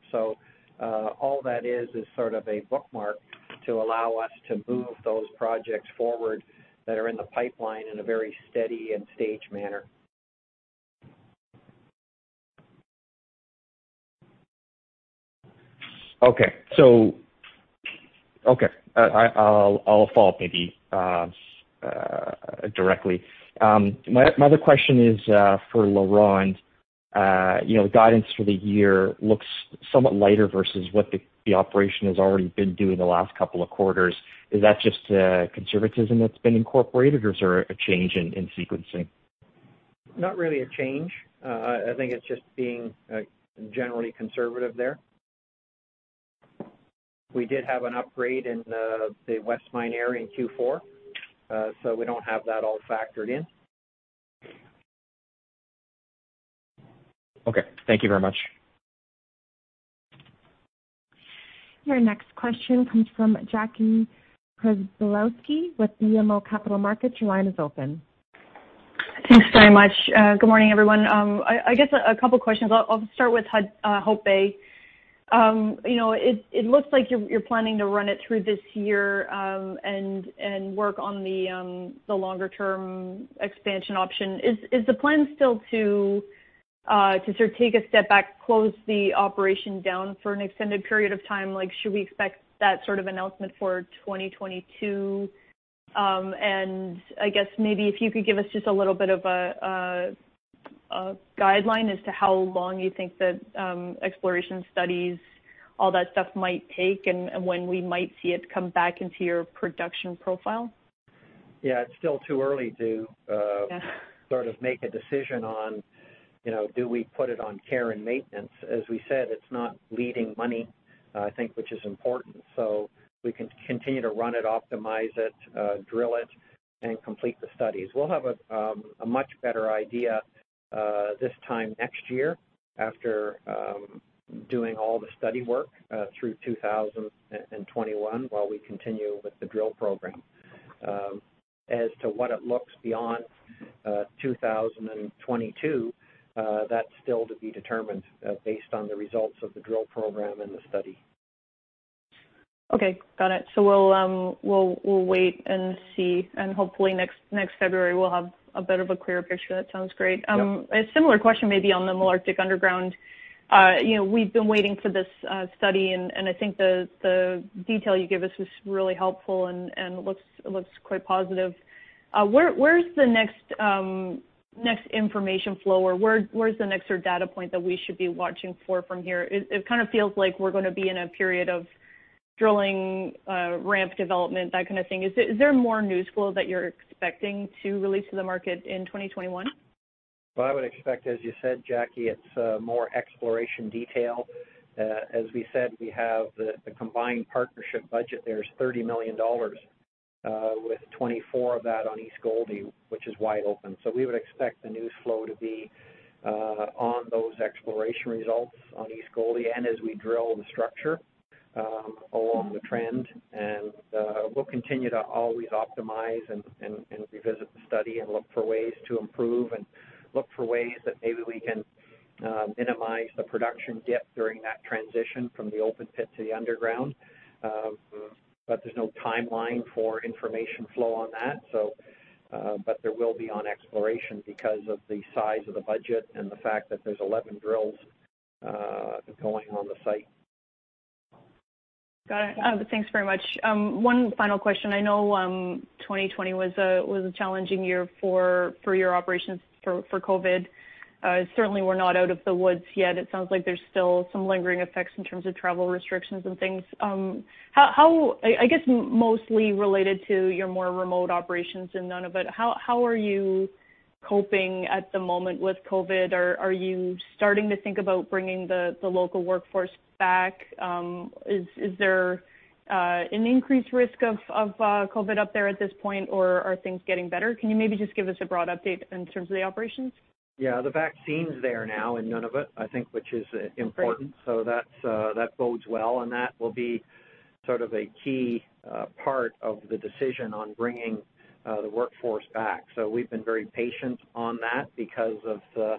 All that is is sort of a bookmark to allow us to move those projects forward that are in the pipeline in a very steady and staged manner. Okay. I'll follow up maybe directly. My other question is for LaRonde. Guidance for the year looks somewhat lighter versus what the operation has already been doing the last couple of quarters. Is that just conservatism that's been incorporated, or is there a change in sequencing? Not really a change. I think it's just being generally conservative there. We did have an upgrade in the West Mine area in Q4, so we don't have that all factored in. Okay. Thank you very much. Your next question comes from Jackie Przybylowski with BMO Capital Markets. Your line is open. Thanks very much. Good morning, everyone. I guess a couple questions. I'll start with Hope Bay. It looks like you're planning to run it through this year and work on the longer-term expansion option. Is the plan still to take a step back, close the operation down for an extended period of time? Should we expect that sort of announcement for 2022? I guess maybe if you could give us just a little bit of a guideline as to how long you think the exploration studies, all that stuff might take, and when we might see it come back into your production profile. Yeah, it's still too early to- Yeah make a decision on do we put it on care and maintenance. As we said, it's not losing money, I think, which is important. We can continue to run it, optimize it, drill it, and complete the studies. We'll have a much better idea this time next year after doing all the study work through 2021 while we continue with the drill program. As to what it looks beyond 2022, that's still to be determined based on the results of the drill program and the study. Okay. Got it. We'll wait and see, and hopefully next February we'll have a bit of a clearer picture. That sounds great. Yep. A similar question maybe on the Malartic underground. We've been waiting for this study. I think the detail you gave us was really helpful and looks quite positive. Where is the next information flow, or where's the next data point that we should be watching for from here? It kind of feels like we're going to be in a period of drilling ramp development, that kind of thing. Is there more news flow that you're expecting to release to the market in 2021? Well, I would expect, as you said, Jackie, it's more exploration detail. As we said, we have the combined partnership budget there is $30 million, with $24 million of that on East Gouldie, which is wide open. We would expect the news flow to be on those exploration results on East Gouldie, and as we drill the structure along the trend. We'll continue to always optimize and revisit the study and look for ways to improve and look for ways that maybe we can minimize the production dip during that transition from the open pit to the underground. There's no timeline for information flow on that. There will be on exploration because of the size of the budget and the fact that there's 11 drills going on the site. Got it. Thanks very much. One final question. I know 2020 was a challenging year for your operations for COVID. Certainly, we're not out of the woods yet. It sounds like there's still some lingering effects in terms of travel restrictions and things. I guess, mostly related to your more remote operations in Nunavut, how are you coping at the moment with COVID? Are you starting to think about bringing the local workforce back? Is there an increased risk of COVID up there at this point, or are things getting better? Can you maybe just give us a broad update in terms of the operations? The vaccine's there now in Nunavut, I think, which is important. Great. That bodes well, and that will be sort of a key part of the decision on bringing the workforce back. We've been very patient on that because of the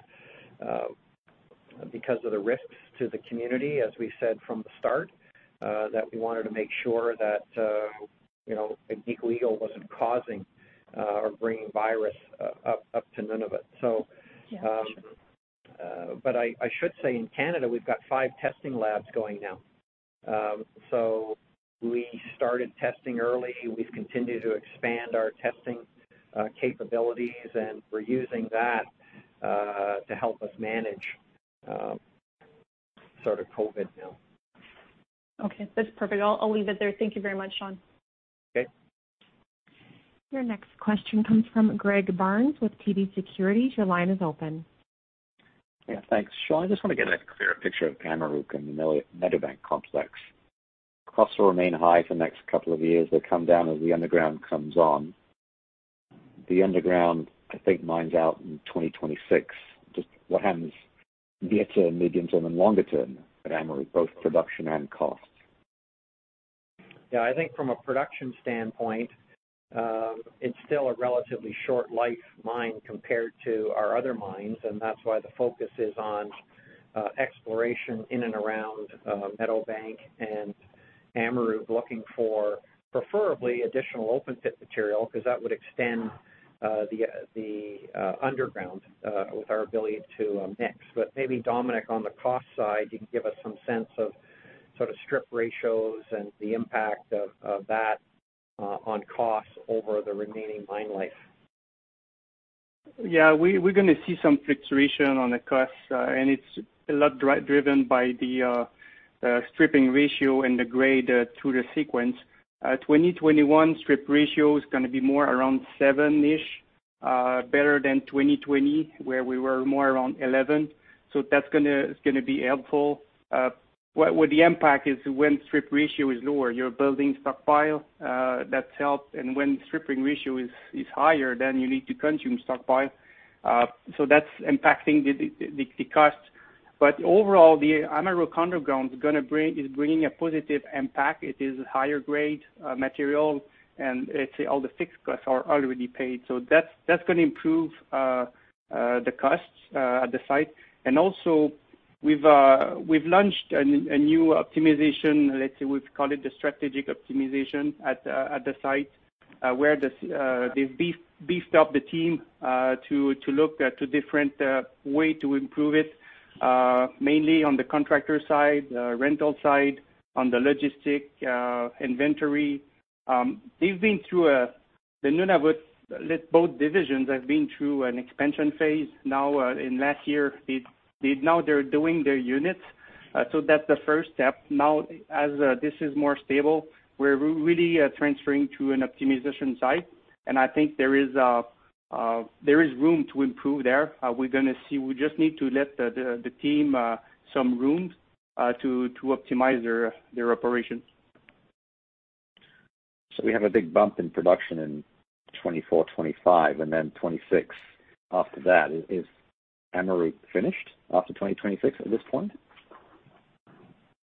risks to the community, as we said from the start, that we wanted to make sure that Agnico Eagle wasn't causing or bringing virus up to Nunavut. Yeah. Sure. I should say, in Canada, we've got five testing labs going now. We started testing early. We've continued to expand our testing capabilities, and we're using that to help us manage COVID now. Okay. That's perfect. I'll leave it there. Thank you very much, Sean. Okay. Your next question comes from Greg Barnes with TD Securities. Your line is open. Yeah. Thanks. Sean, I just want to get a clearer picture of Amaruq and the Meadowbank complex. Costs will remain high for the next couple of years. They'll come down as the underground comes on. The underground, I think, mines out in 2026. Just what happens near term, medium-term, and longer term at Amaruq, both production and costs? Yeah. I think from a production standpoint, it is still a relatively short-life mine compared to our other mines, and that is why the focus is on exploration in and around Meadowbank and Amaruq, looking for, preferably, additional open pit material, because that would extend the underground with our ability to mix. Maybe Dominique, on the cost side, you can give us some sense of sort of strip ratios and the impact of that on costs over the remaining mine life. Yeah. We're going to see some fluctuation on the costs, and it's a lot driven by the stripping ratio and the grade through the sequence. 2021 strip ratio is going to be more around seven-ish, better than 2020, where we were more around 11. That's going to be helpful. Well, the impact is when strip ratio is lower, you're building stockpile, that helps. When stripping ratio is higher, then you need to consume stockpile. That's impacting the cost. Overall, the Amaruq underground is bringing a positive impact. It is higher grade material, and let's say all the fixed costs are already paid. That's going to improve the costs at the site. Also, we've launched a new optimization, let's say, we've called it the strategic optimization at the site. Where they've beefed up the team to look at different way to improve it. Mainly on the contractor side, rental side, on the logistics inventory. The Nunavut, both divisions, have been through an expansion phase now in last year. They're doing their units. That's the first step. As this is more stable, we're really transferring to an optimization site. I think there is room to improve there. We're going to see. We just need to let the team some room to optimize their operations. We have a big bump in production in 2024, 2025, and then 2026 after that. Is Amaruq finished after 2026 at this point?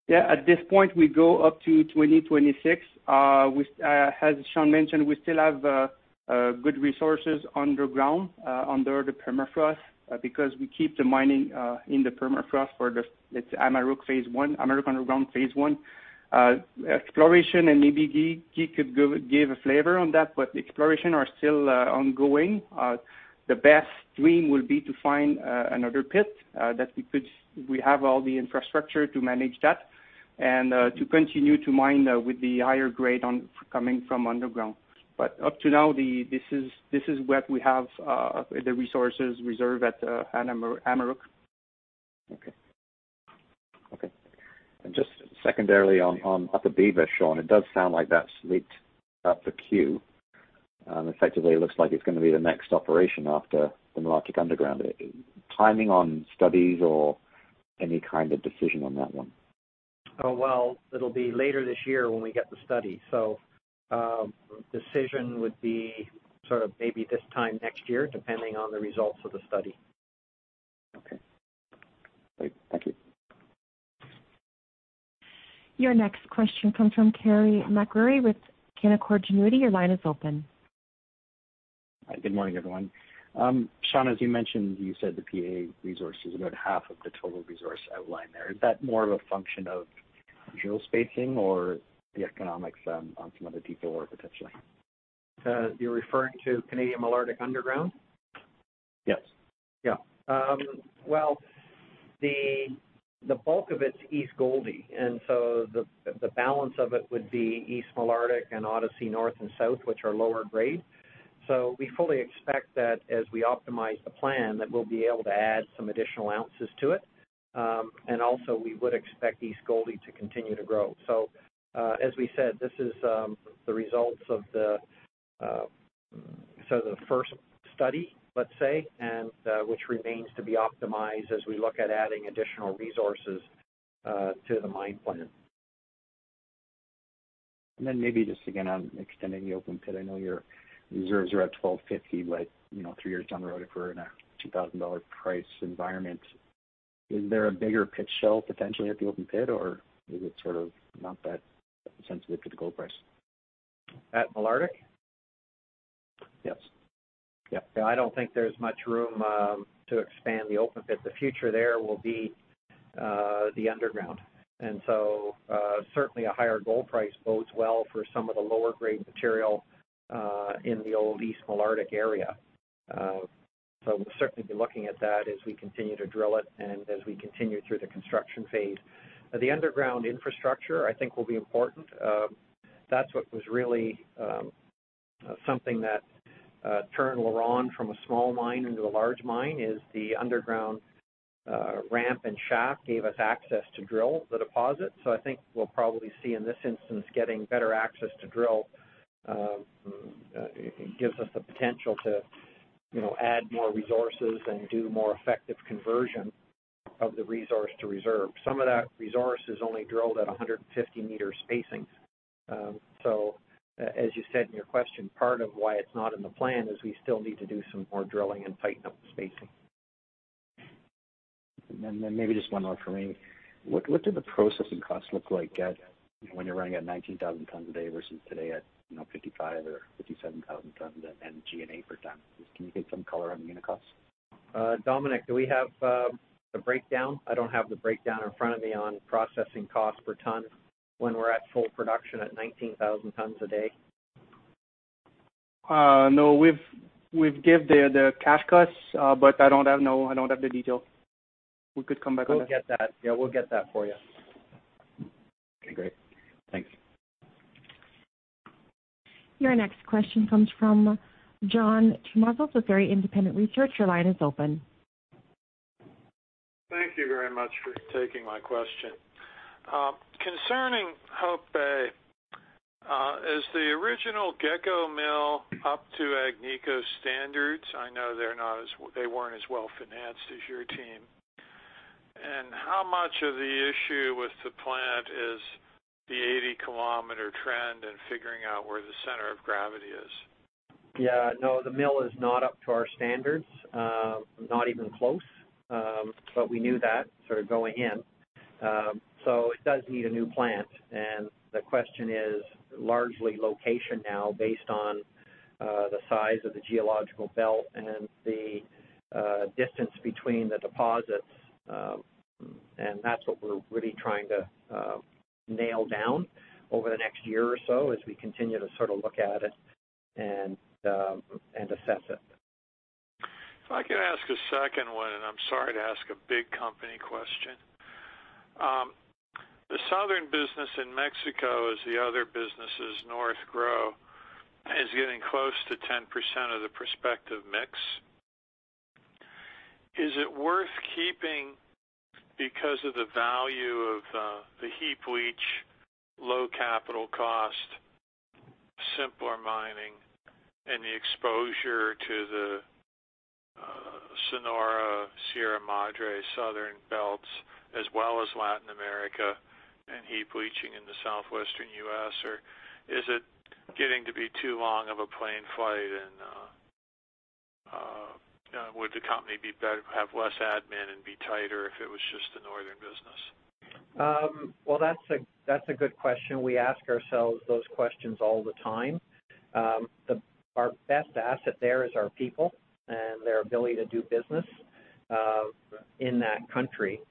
Yeah, at this point, we go up to 2026. As Sean mentioned, we still have good resources underground, under the permafrost, because we keep the mining in the permafrost for the, let's say, Amaruq phase 1, Amaruq underground phase 1. Exploration, and maybe Guy could give a flavor on that, but the exploration are still ongoing. The best dream will be to find another pit. That we have all the infrastructure to manage that and to continue to mine with the higher grade coming from underground. Up to now, this is what we have, the resources reserved at Amaruq. Okay. Just secondarily on Akasaba, Sean, it does sound like that's slated of growth. Effectively, it looks like it's going to be the next operation after the Malartic Underground. Timing on studies or any kind of decision on that one? Well, it'll be later this year when we get the study. Decision would be sort of maybe this time next year, depending on the results of the study. Okay. Great. Thank you. Your next question comes from Carey MacRury with Canaccord Genuity. Your line is open. Hi, good morning, everyone. Sean, as you mentioned, you said the PEA resource is about half of the total resource outline there. Is that more of a function of drill spacing or the economics on some other detail work, potentially? You're referring to Canadian Malartic underground? Yes. Yeah. Well, the bulk of it's East Gouldie, the balance of it would be East Malartic and Odyssey North and South, which are lower grade. We fully expect that as we optimize the plan, that we'll be able to add some additional ounces to it. Also, we would expect East Gouldie to continue to grow. As we said, this is the results of the first study, let's say, and which remains to be optimized as we look at adding additional resources to the mine plan. Maybe just, again, on extending the open pit. I know your reserves are at 1,250, three years down the road, if we're in a $2,000 price environment, is there a bigger pit shell potentially at the open pit, or is it sort of not that sensitive to the gold price? At Malartic? Yes. Yeah. I don't think there's much room to expand the open pit. The future there will be the underground. Certainly a higher gold price bodes well for some of the lower grade material in the old East Malartic area. We'll certainly be looking at that as we continue to drill it and as we continue through the construction phase. The underground infrastructure, I think, will be important. That's what was really something that turned LaRonde from a small mine into a large mine, is the underground ramp and shaft gave us access to drill the deposit. I think we'll probably see in this instance, getting better access to drill. It gives us the potential to add more resources and do more effective conversion of the resource to reserve. Some of that resource is only drilled at 150-meter spacings. As you said in your question, part of why it's not in the plan is we still need to do some more drilling and tighten up the spacing. Maybe just one more for me. What do the processing costs look like when you're running at 19,000 tons a day versus today at 55,000 or 57,000 tons and G&A per ton? Can you give some color on the unit costs? Dominique, do we have the breakdown? I don't have the breakdown in front of me on processing cost per ton when we're at full production at 19,000 tons a day. No, we've gave the cash costs, but I don't have the detail. We could come back on that. We'll get that. Yeah, we'll get that for you. Okay, great. Thanks. Your next question comes from John Tumazos with Very Independent Research. Your line is open. Thank you very much for taking my question. Is the original Gekko mill up to Agnico's standards? I know they weren't as well-financed as your team. How much of the issue with the plant is the 80-km trend and figuring out where the center of gravity is? Yeah. No, the mill is not up to our standards, not even close. We knew that going in. It does need a new plant, and the question is largely location now based on the size of the geological belt and the distance between the deposits. That's what we're really trying to nail down over the next year or so as we continue to look at it and assess it. If I could ask a second one, I'm sorry to ask a big company question. The southern business in Mexico, as the other businesses north grow, is getting close to 10% of the prospective mix. Is it worth keeping because of the value of the heap leach, low capital cost, simpler mining, and the exposure to the Sonora, Sierra Madre southern belts, as well as Latin America and heap leaching in the southwestern U.S., or is it getting to be too long of a plane flight, and would the company have less admin and be tighter if it was just a northern business? Well, that's a good question. We ask ourselves those questions all the time. Our best asset there is our people and their ability to do business in that country.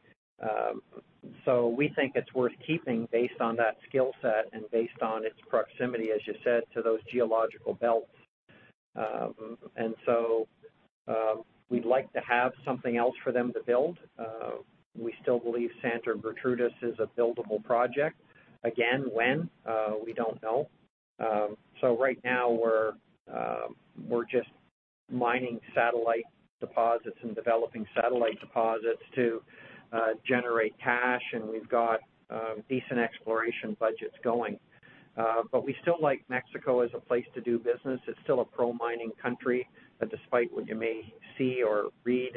We think it's worth keeping based on that skill set and based on its proximity, as you said, to those geological belts. We'd like to have something else for them to build. We still believe Santa Gertrudis is a buildable project. Again, when? We don't know. Right now we're just mining satellite deposits and developing satellite deposits to generate cash, and we've got decent exploration budgets going. We still like Mexico as a place to do business. It's still a pro-mining country. Despite what you may see or read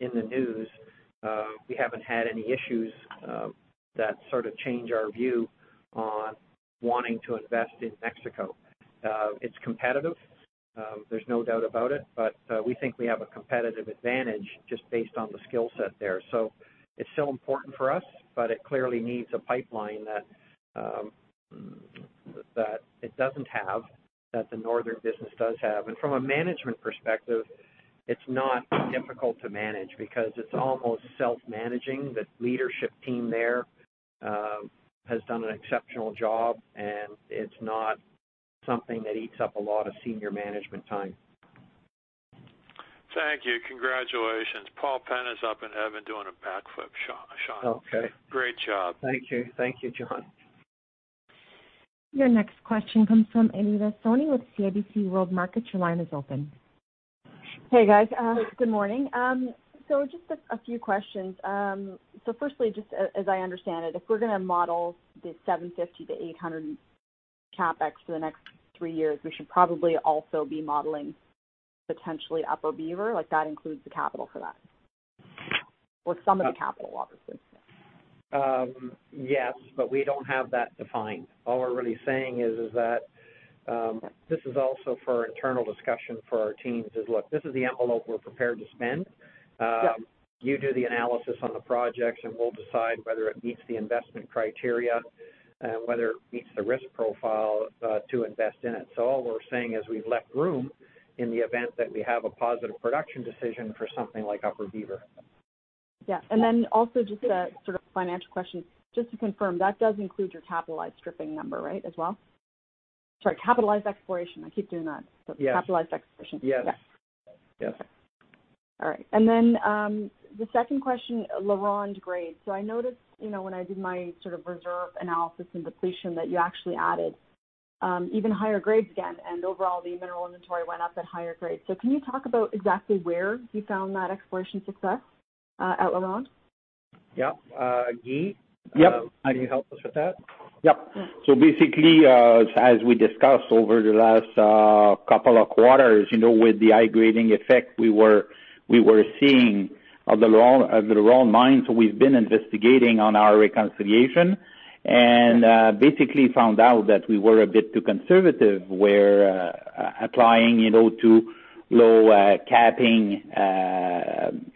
in the news, we haven't had any issues that change our view on wanting to invest in Mexico. It's competitive, there's no doubt about it, but we think we have a competitive advantage just based on the skill set there. It's still important for us, but it clearly needs a pipeline that it doesn't have, that the northern business does have. From a management perspective, it's not difficult to manage because it's almost self-managing. The leadership team there has done an exceptional job, and it's not something that eats up a lot of senior management time. Thank you. Congratulations. Paul Penna is up in heaven doing a backflip, Sean. Okay. Great job. Thank you. Thank you, John. Your next question comes from Anita Soni with CIBC Capital Markets. Your line is open. Hey, guys. Good morning. Just a few questions. Firstly, just as I understand it, if we're going to model the $750-$800 CapEx for the next three years, we should probably also be modeling potentially Upper Beaver, like that includes the capital for that. Or some of the capital, obviously. Yes, but we don't have that defined. All we're really saying is that this is also for internal discussion for our teams is, look, this is the envelope we're prepared to spend. Yeah. You do the analysis on the projects, and we'll decide whether it meets the investment criteria and whether it meets the risk profile to invest in it. All we're saying is we've left room in the event that we have a positive production decision for something like Upper Beaver. Yeah. Also just a financial question, just to confirm, that does include your capitalized stripping number, right, as well? Sorry, capitalized exploration. I keep doing that. Yes. Capitalized exploration. Yes. Okay. Yes. All right. The second question, LaRonde grade. I noticed when I did my reserve analysis and depletion that you actually added even higher grades again, and overall, the mineral inventory went up at higher grades. Can you talk about exactly where you found that exploration success at LaRonde? Yeah. Guy? Yep. Can you help us with that? Yep. Basically, as we discussed over the last couple of quarters, with the high-grading effect we were seeing at the LaRonde mine. We've been investigating on our reconciliation and basically found out that we were a bit too conservative. We're applying too low a capping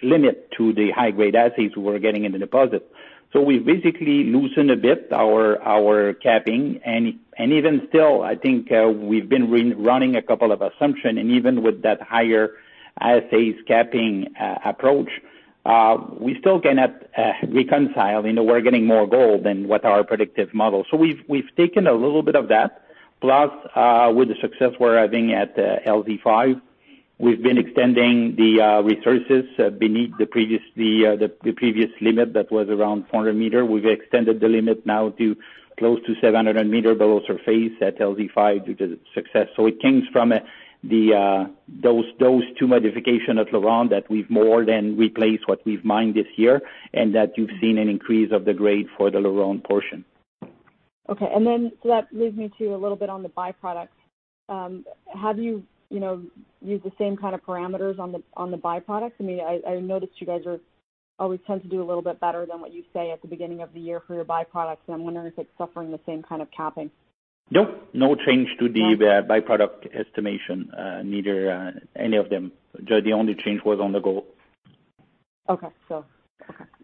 limit to the high-grade assays we're getting in the deposit. We basically loosened a bit our capping, and even still, I think we've been running a couple of assumptions, and even with that higher assays capping approach, we still cannot reconcile. We're getting more gold than what our predictive model. We've taken a little bit of that, plus with the success we're having at LZ5, we've been extending the resources beneath the previous limit that was around 400 meter. We've extended the limit now to close to 700 meter below surface at LZ5 due to the success. It comes from those two modifications at LaRonde that we've more than replaced what we've mined this year, and that you've seen an increase of the grade for the LaRonde portion. Okay. That leads me to a little bit on the byproducts. Have you used the same kind of parameters on the byproducts? I noticed you guys always tend to do a little bit better than what you say at the beginning of the year for your byproducts, and I'm wondering if it's suffering the same kind of capping. No. No change to the byproduct estimation, neither any of them. The only change was on the gold. Okay. All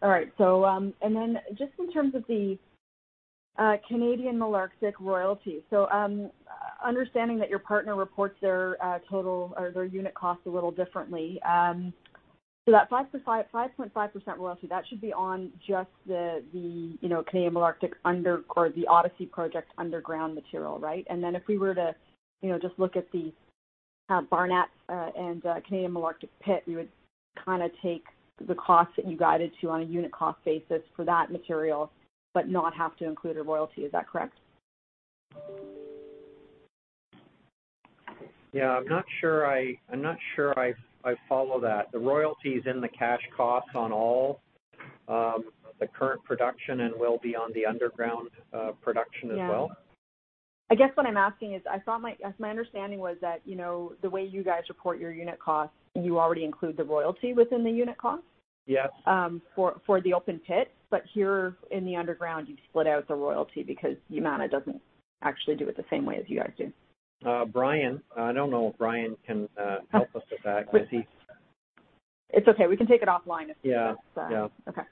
right. Just in terms of the Canadian Malartic royalty, understanding that your partner reports their total or their unit cost a little differently, that 5.5% royalty, that should be on just the Canadian Malartic under, or the Odyssey project underground material, right? If we were to just look at the Barnat and Canadian Malartic pit, we would take the cost that you guided to on a unit cost basis for that material, but not have to include a royalty, is that correct? Yeah, I'm not sure I follow that. The royalty is in the cash cost on all the current production and will be on the underground production as well. Yeah. I guess what I'm asking is, my understanding was that, the way you guys report your unit costs, you already include the royalty within the unit cost? Yes for the open pit. Here in the underground, you've split out the royalty because Yamana doesn't actually do it the same way as you guys do. Brian. I don't know if Brian can help us with that. It's okay. We can take it offline if he does that. Yeah. Okay.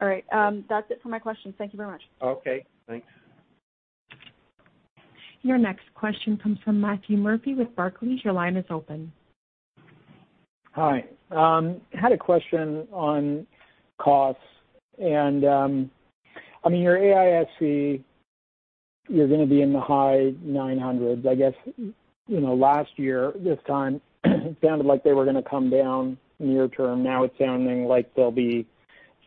All right. That's it for my questions. Thank you very much. Okay, thanks. Your next question comes from Matthew Murphy with Barclays. Your line is open. Hi. Had a question on costs, and your AISC, you're going to be in the high 900s. I guess, last year, this time, sounded like they were going to come down near term. Now it's sounding like they'll be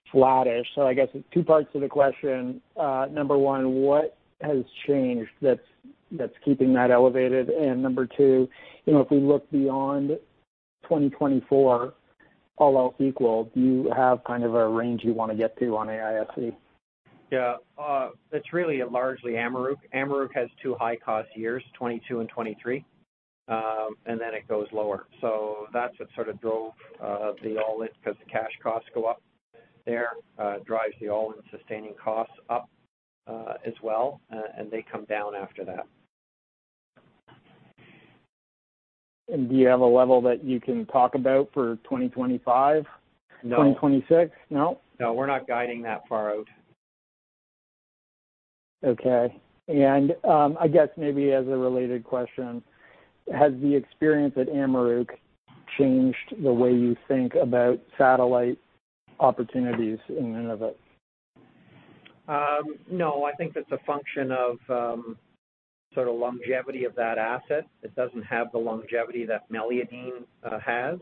flattish. I guess it's two parts to the question. Number one, what has changed that's keeping that elevated? Number two, if we look beyond 2024, all else equal, do you have a range you want to get to on AISC? Yeah. It's really largely Amaruq. Amaruq has two high-cost years, 2022 and 2023, and then it goes lower. That's what sort of drove the all-in because the cash costs go up there. It drives the all-in sustaining costs up as well. They come down after that. Do you have a level that you can talk about for 2025? No. 2026? No? No, we're not guiding that far out. Okay. I guess maybe as a related question, has the experience at Amaruq changed the way you think about satellite opportunities in Nunavut? I think that's a function of longevity of that asset. It doesn't have the longevity that Meliadine has.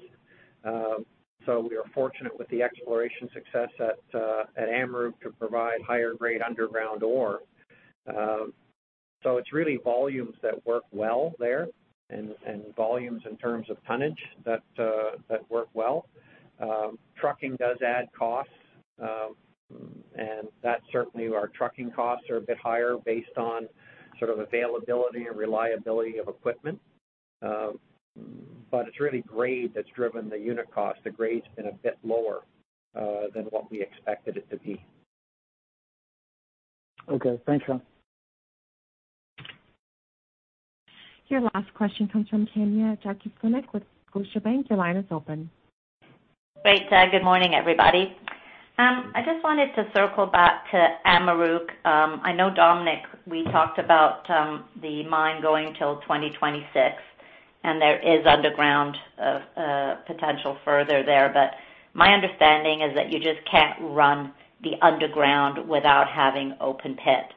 We are fortunate with the exploration success at Amaruq to provide higher grade underground ore. It's really volumes that work well there and volumes in terms of tonnage that work well. Trucking does add costs. That certainly our trucking costs are a bit higher based on availability and reliability of equipment. It's really grade that's driven the unit cost. The grade's been a bit lower than what we expected it to be. Okay. Thanks, Sean. Your last question comes from Tanya Jakusconek with Scotiabank. Your line is open. Great. Good morning, everybody. I just wanted to circle back to Amaruq. I know, Dominique, we talked about the mine going till 2026, and there is underground potential further there. My understanding is that you just can't run the underground without having open pit.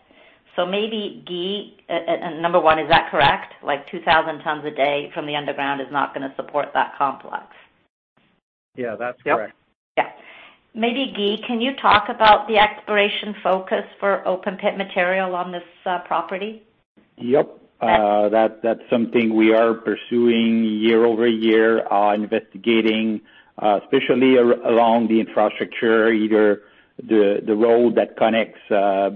Maybe, Guy, number 1, is that correct? Like 2,000 tons a day from the underground is not going to support that complex. Yeah, that's correct. Yeah. Maybe, Guy, can you talk about the exploration focus for open pit material on this property? Yep. That's something we are pursuing year-over-year, investigating, especially along the infrastructure, either the road that connects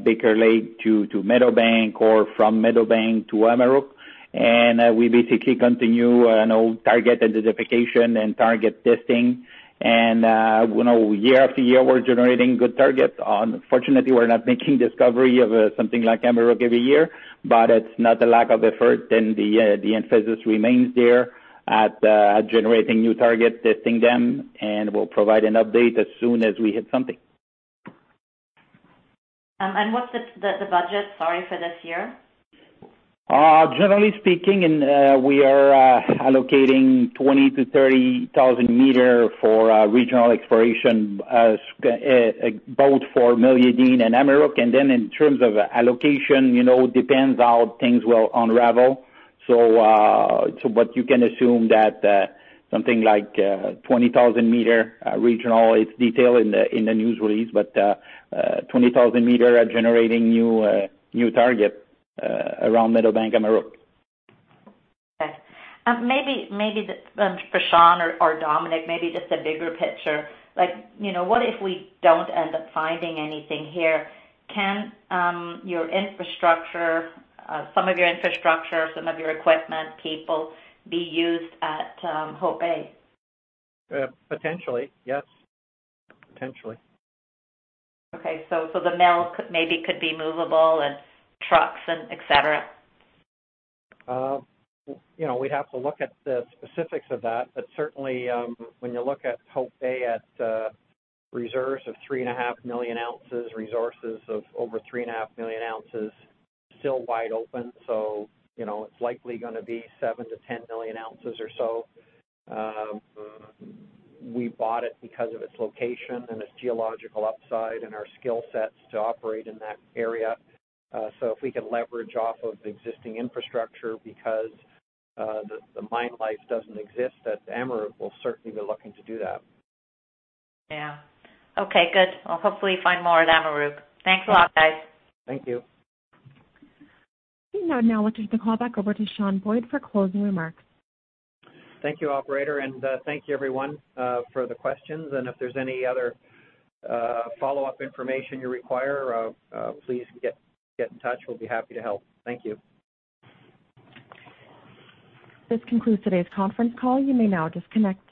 Baker Lake to Meadowbank or from Meadowbank to Amaruq. We basically continue an old target identification and target testing. Year after year, we're generating good targets. Unfortunately, we're not making discovery of something like Amaruq every year, but it's not a lack of effort, and the emphasis remains there at generating new targets, testing them, and we'll provide an update as soon as we hit something. What's the budget, sorry, for this year? Generally speaking, we are allocating 20,000-30,000 meters for regional exploration, both for Meliadine and Amaruq. In terms of allocation, depends how things will unravel. You can assume that something like 20,000 meters regional, it's detailed in the news release, 20,000 meters are generating new targets around Meadowbank, Amaruq. Okay. Maybe for Sean or Dominique, maybe just a bigger picture. What if we don't end up finding anything here? Can some of your infrastructure, some of your equipment, people, be used at Hope Bay? Potentially, yes. Potentially. Okay. The mill maybe could be movable and trucks and et cetera? We'd have to look at the specifics of that. Certainly, when you look at Hope Bay at reserves of three and a half million ounces, resources of over three and a half million ounces, still wide open, it's likely going to be seven to 10 million ounces or so. We bought it because of its location and its geological upside and our skill sets to operate in that area. If we can leverage off of the existing infrastructure because the mine life doesn't exist at Amaruq, we'll certainly be looking to do that. Yeah. Okay, good. Well, hopefully you find more at Amaruq. Thanks a lot, guys. Thank you. I would now like to turn the call back over to Sean Boyd for closing remarks. Thank you, operator, and thank you everyone for the questions. If there's any other follow-up information you require, please get in touch. We'll be happy to help. Thank you. This concludes today's conference call. You may now disconnect.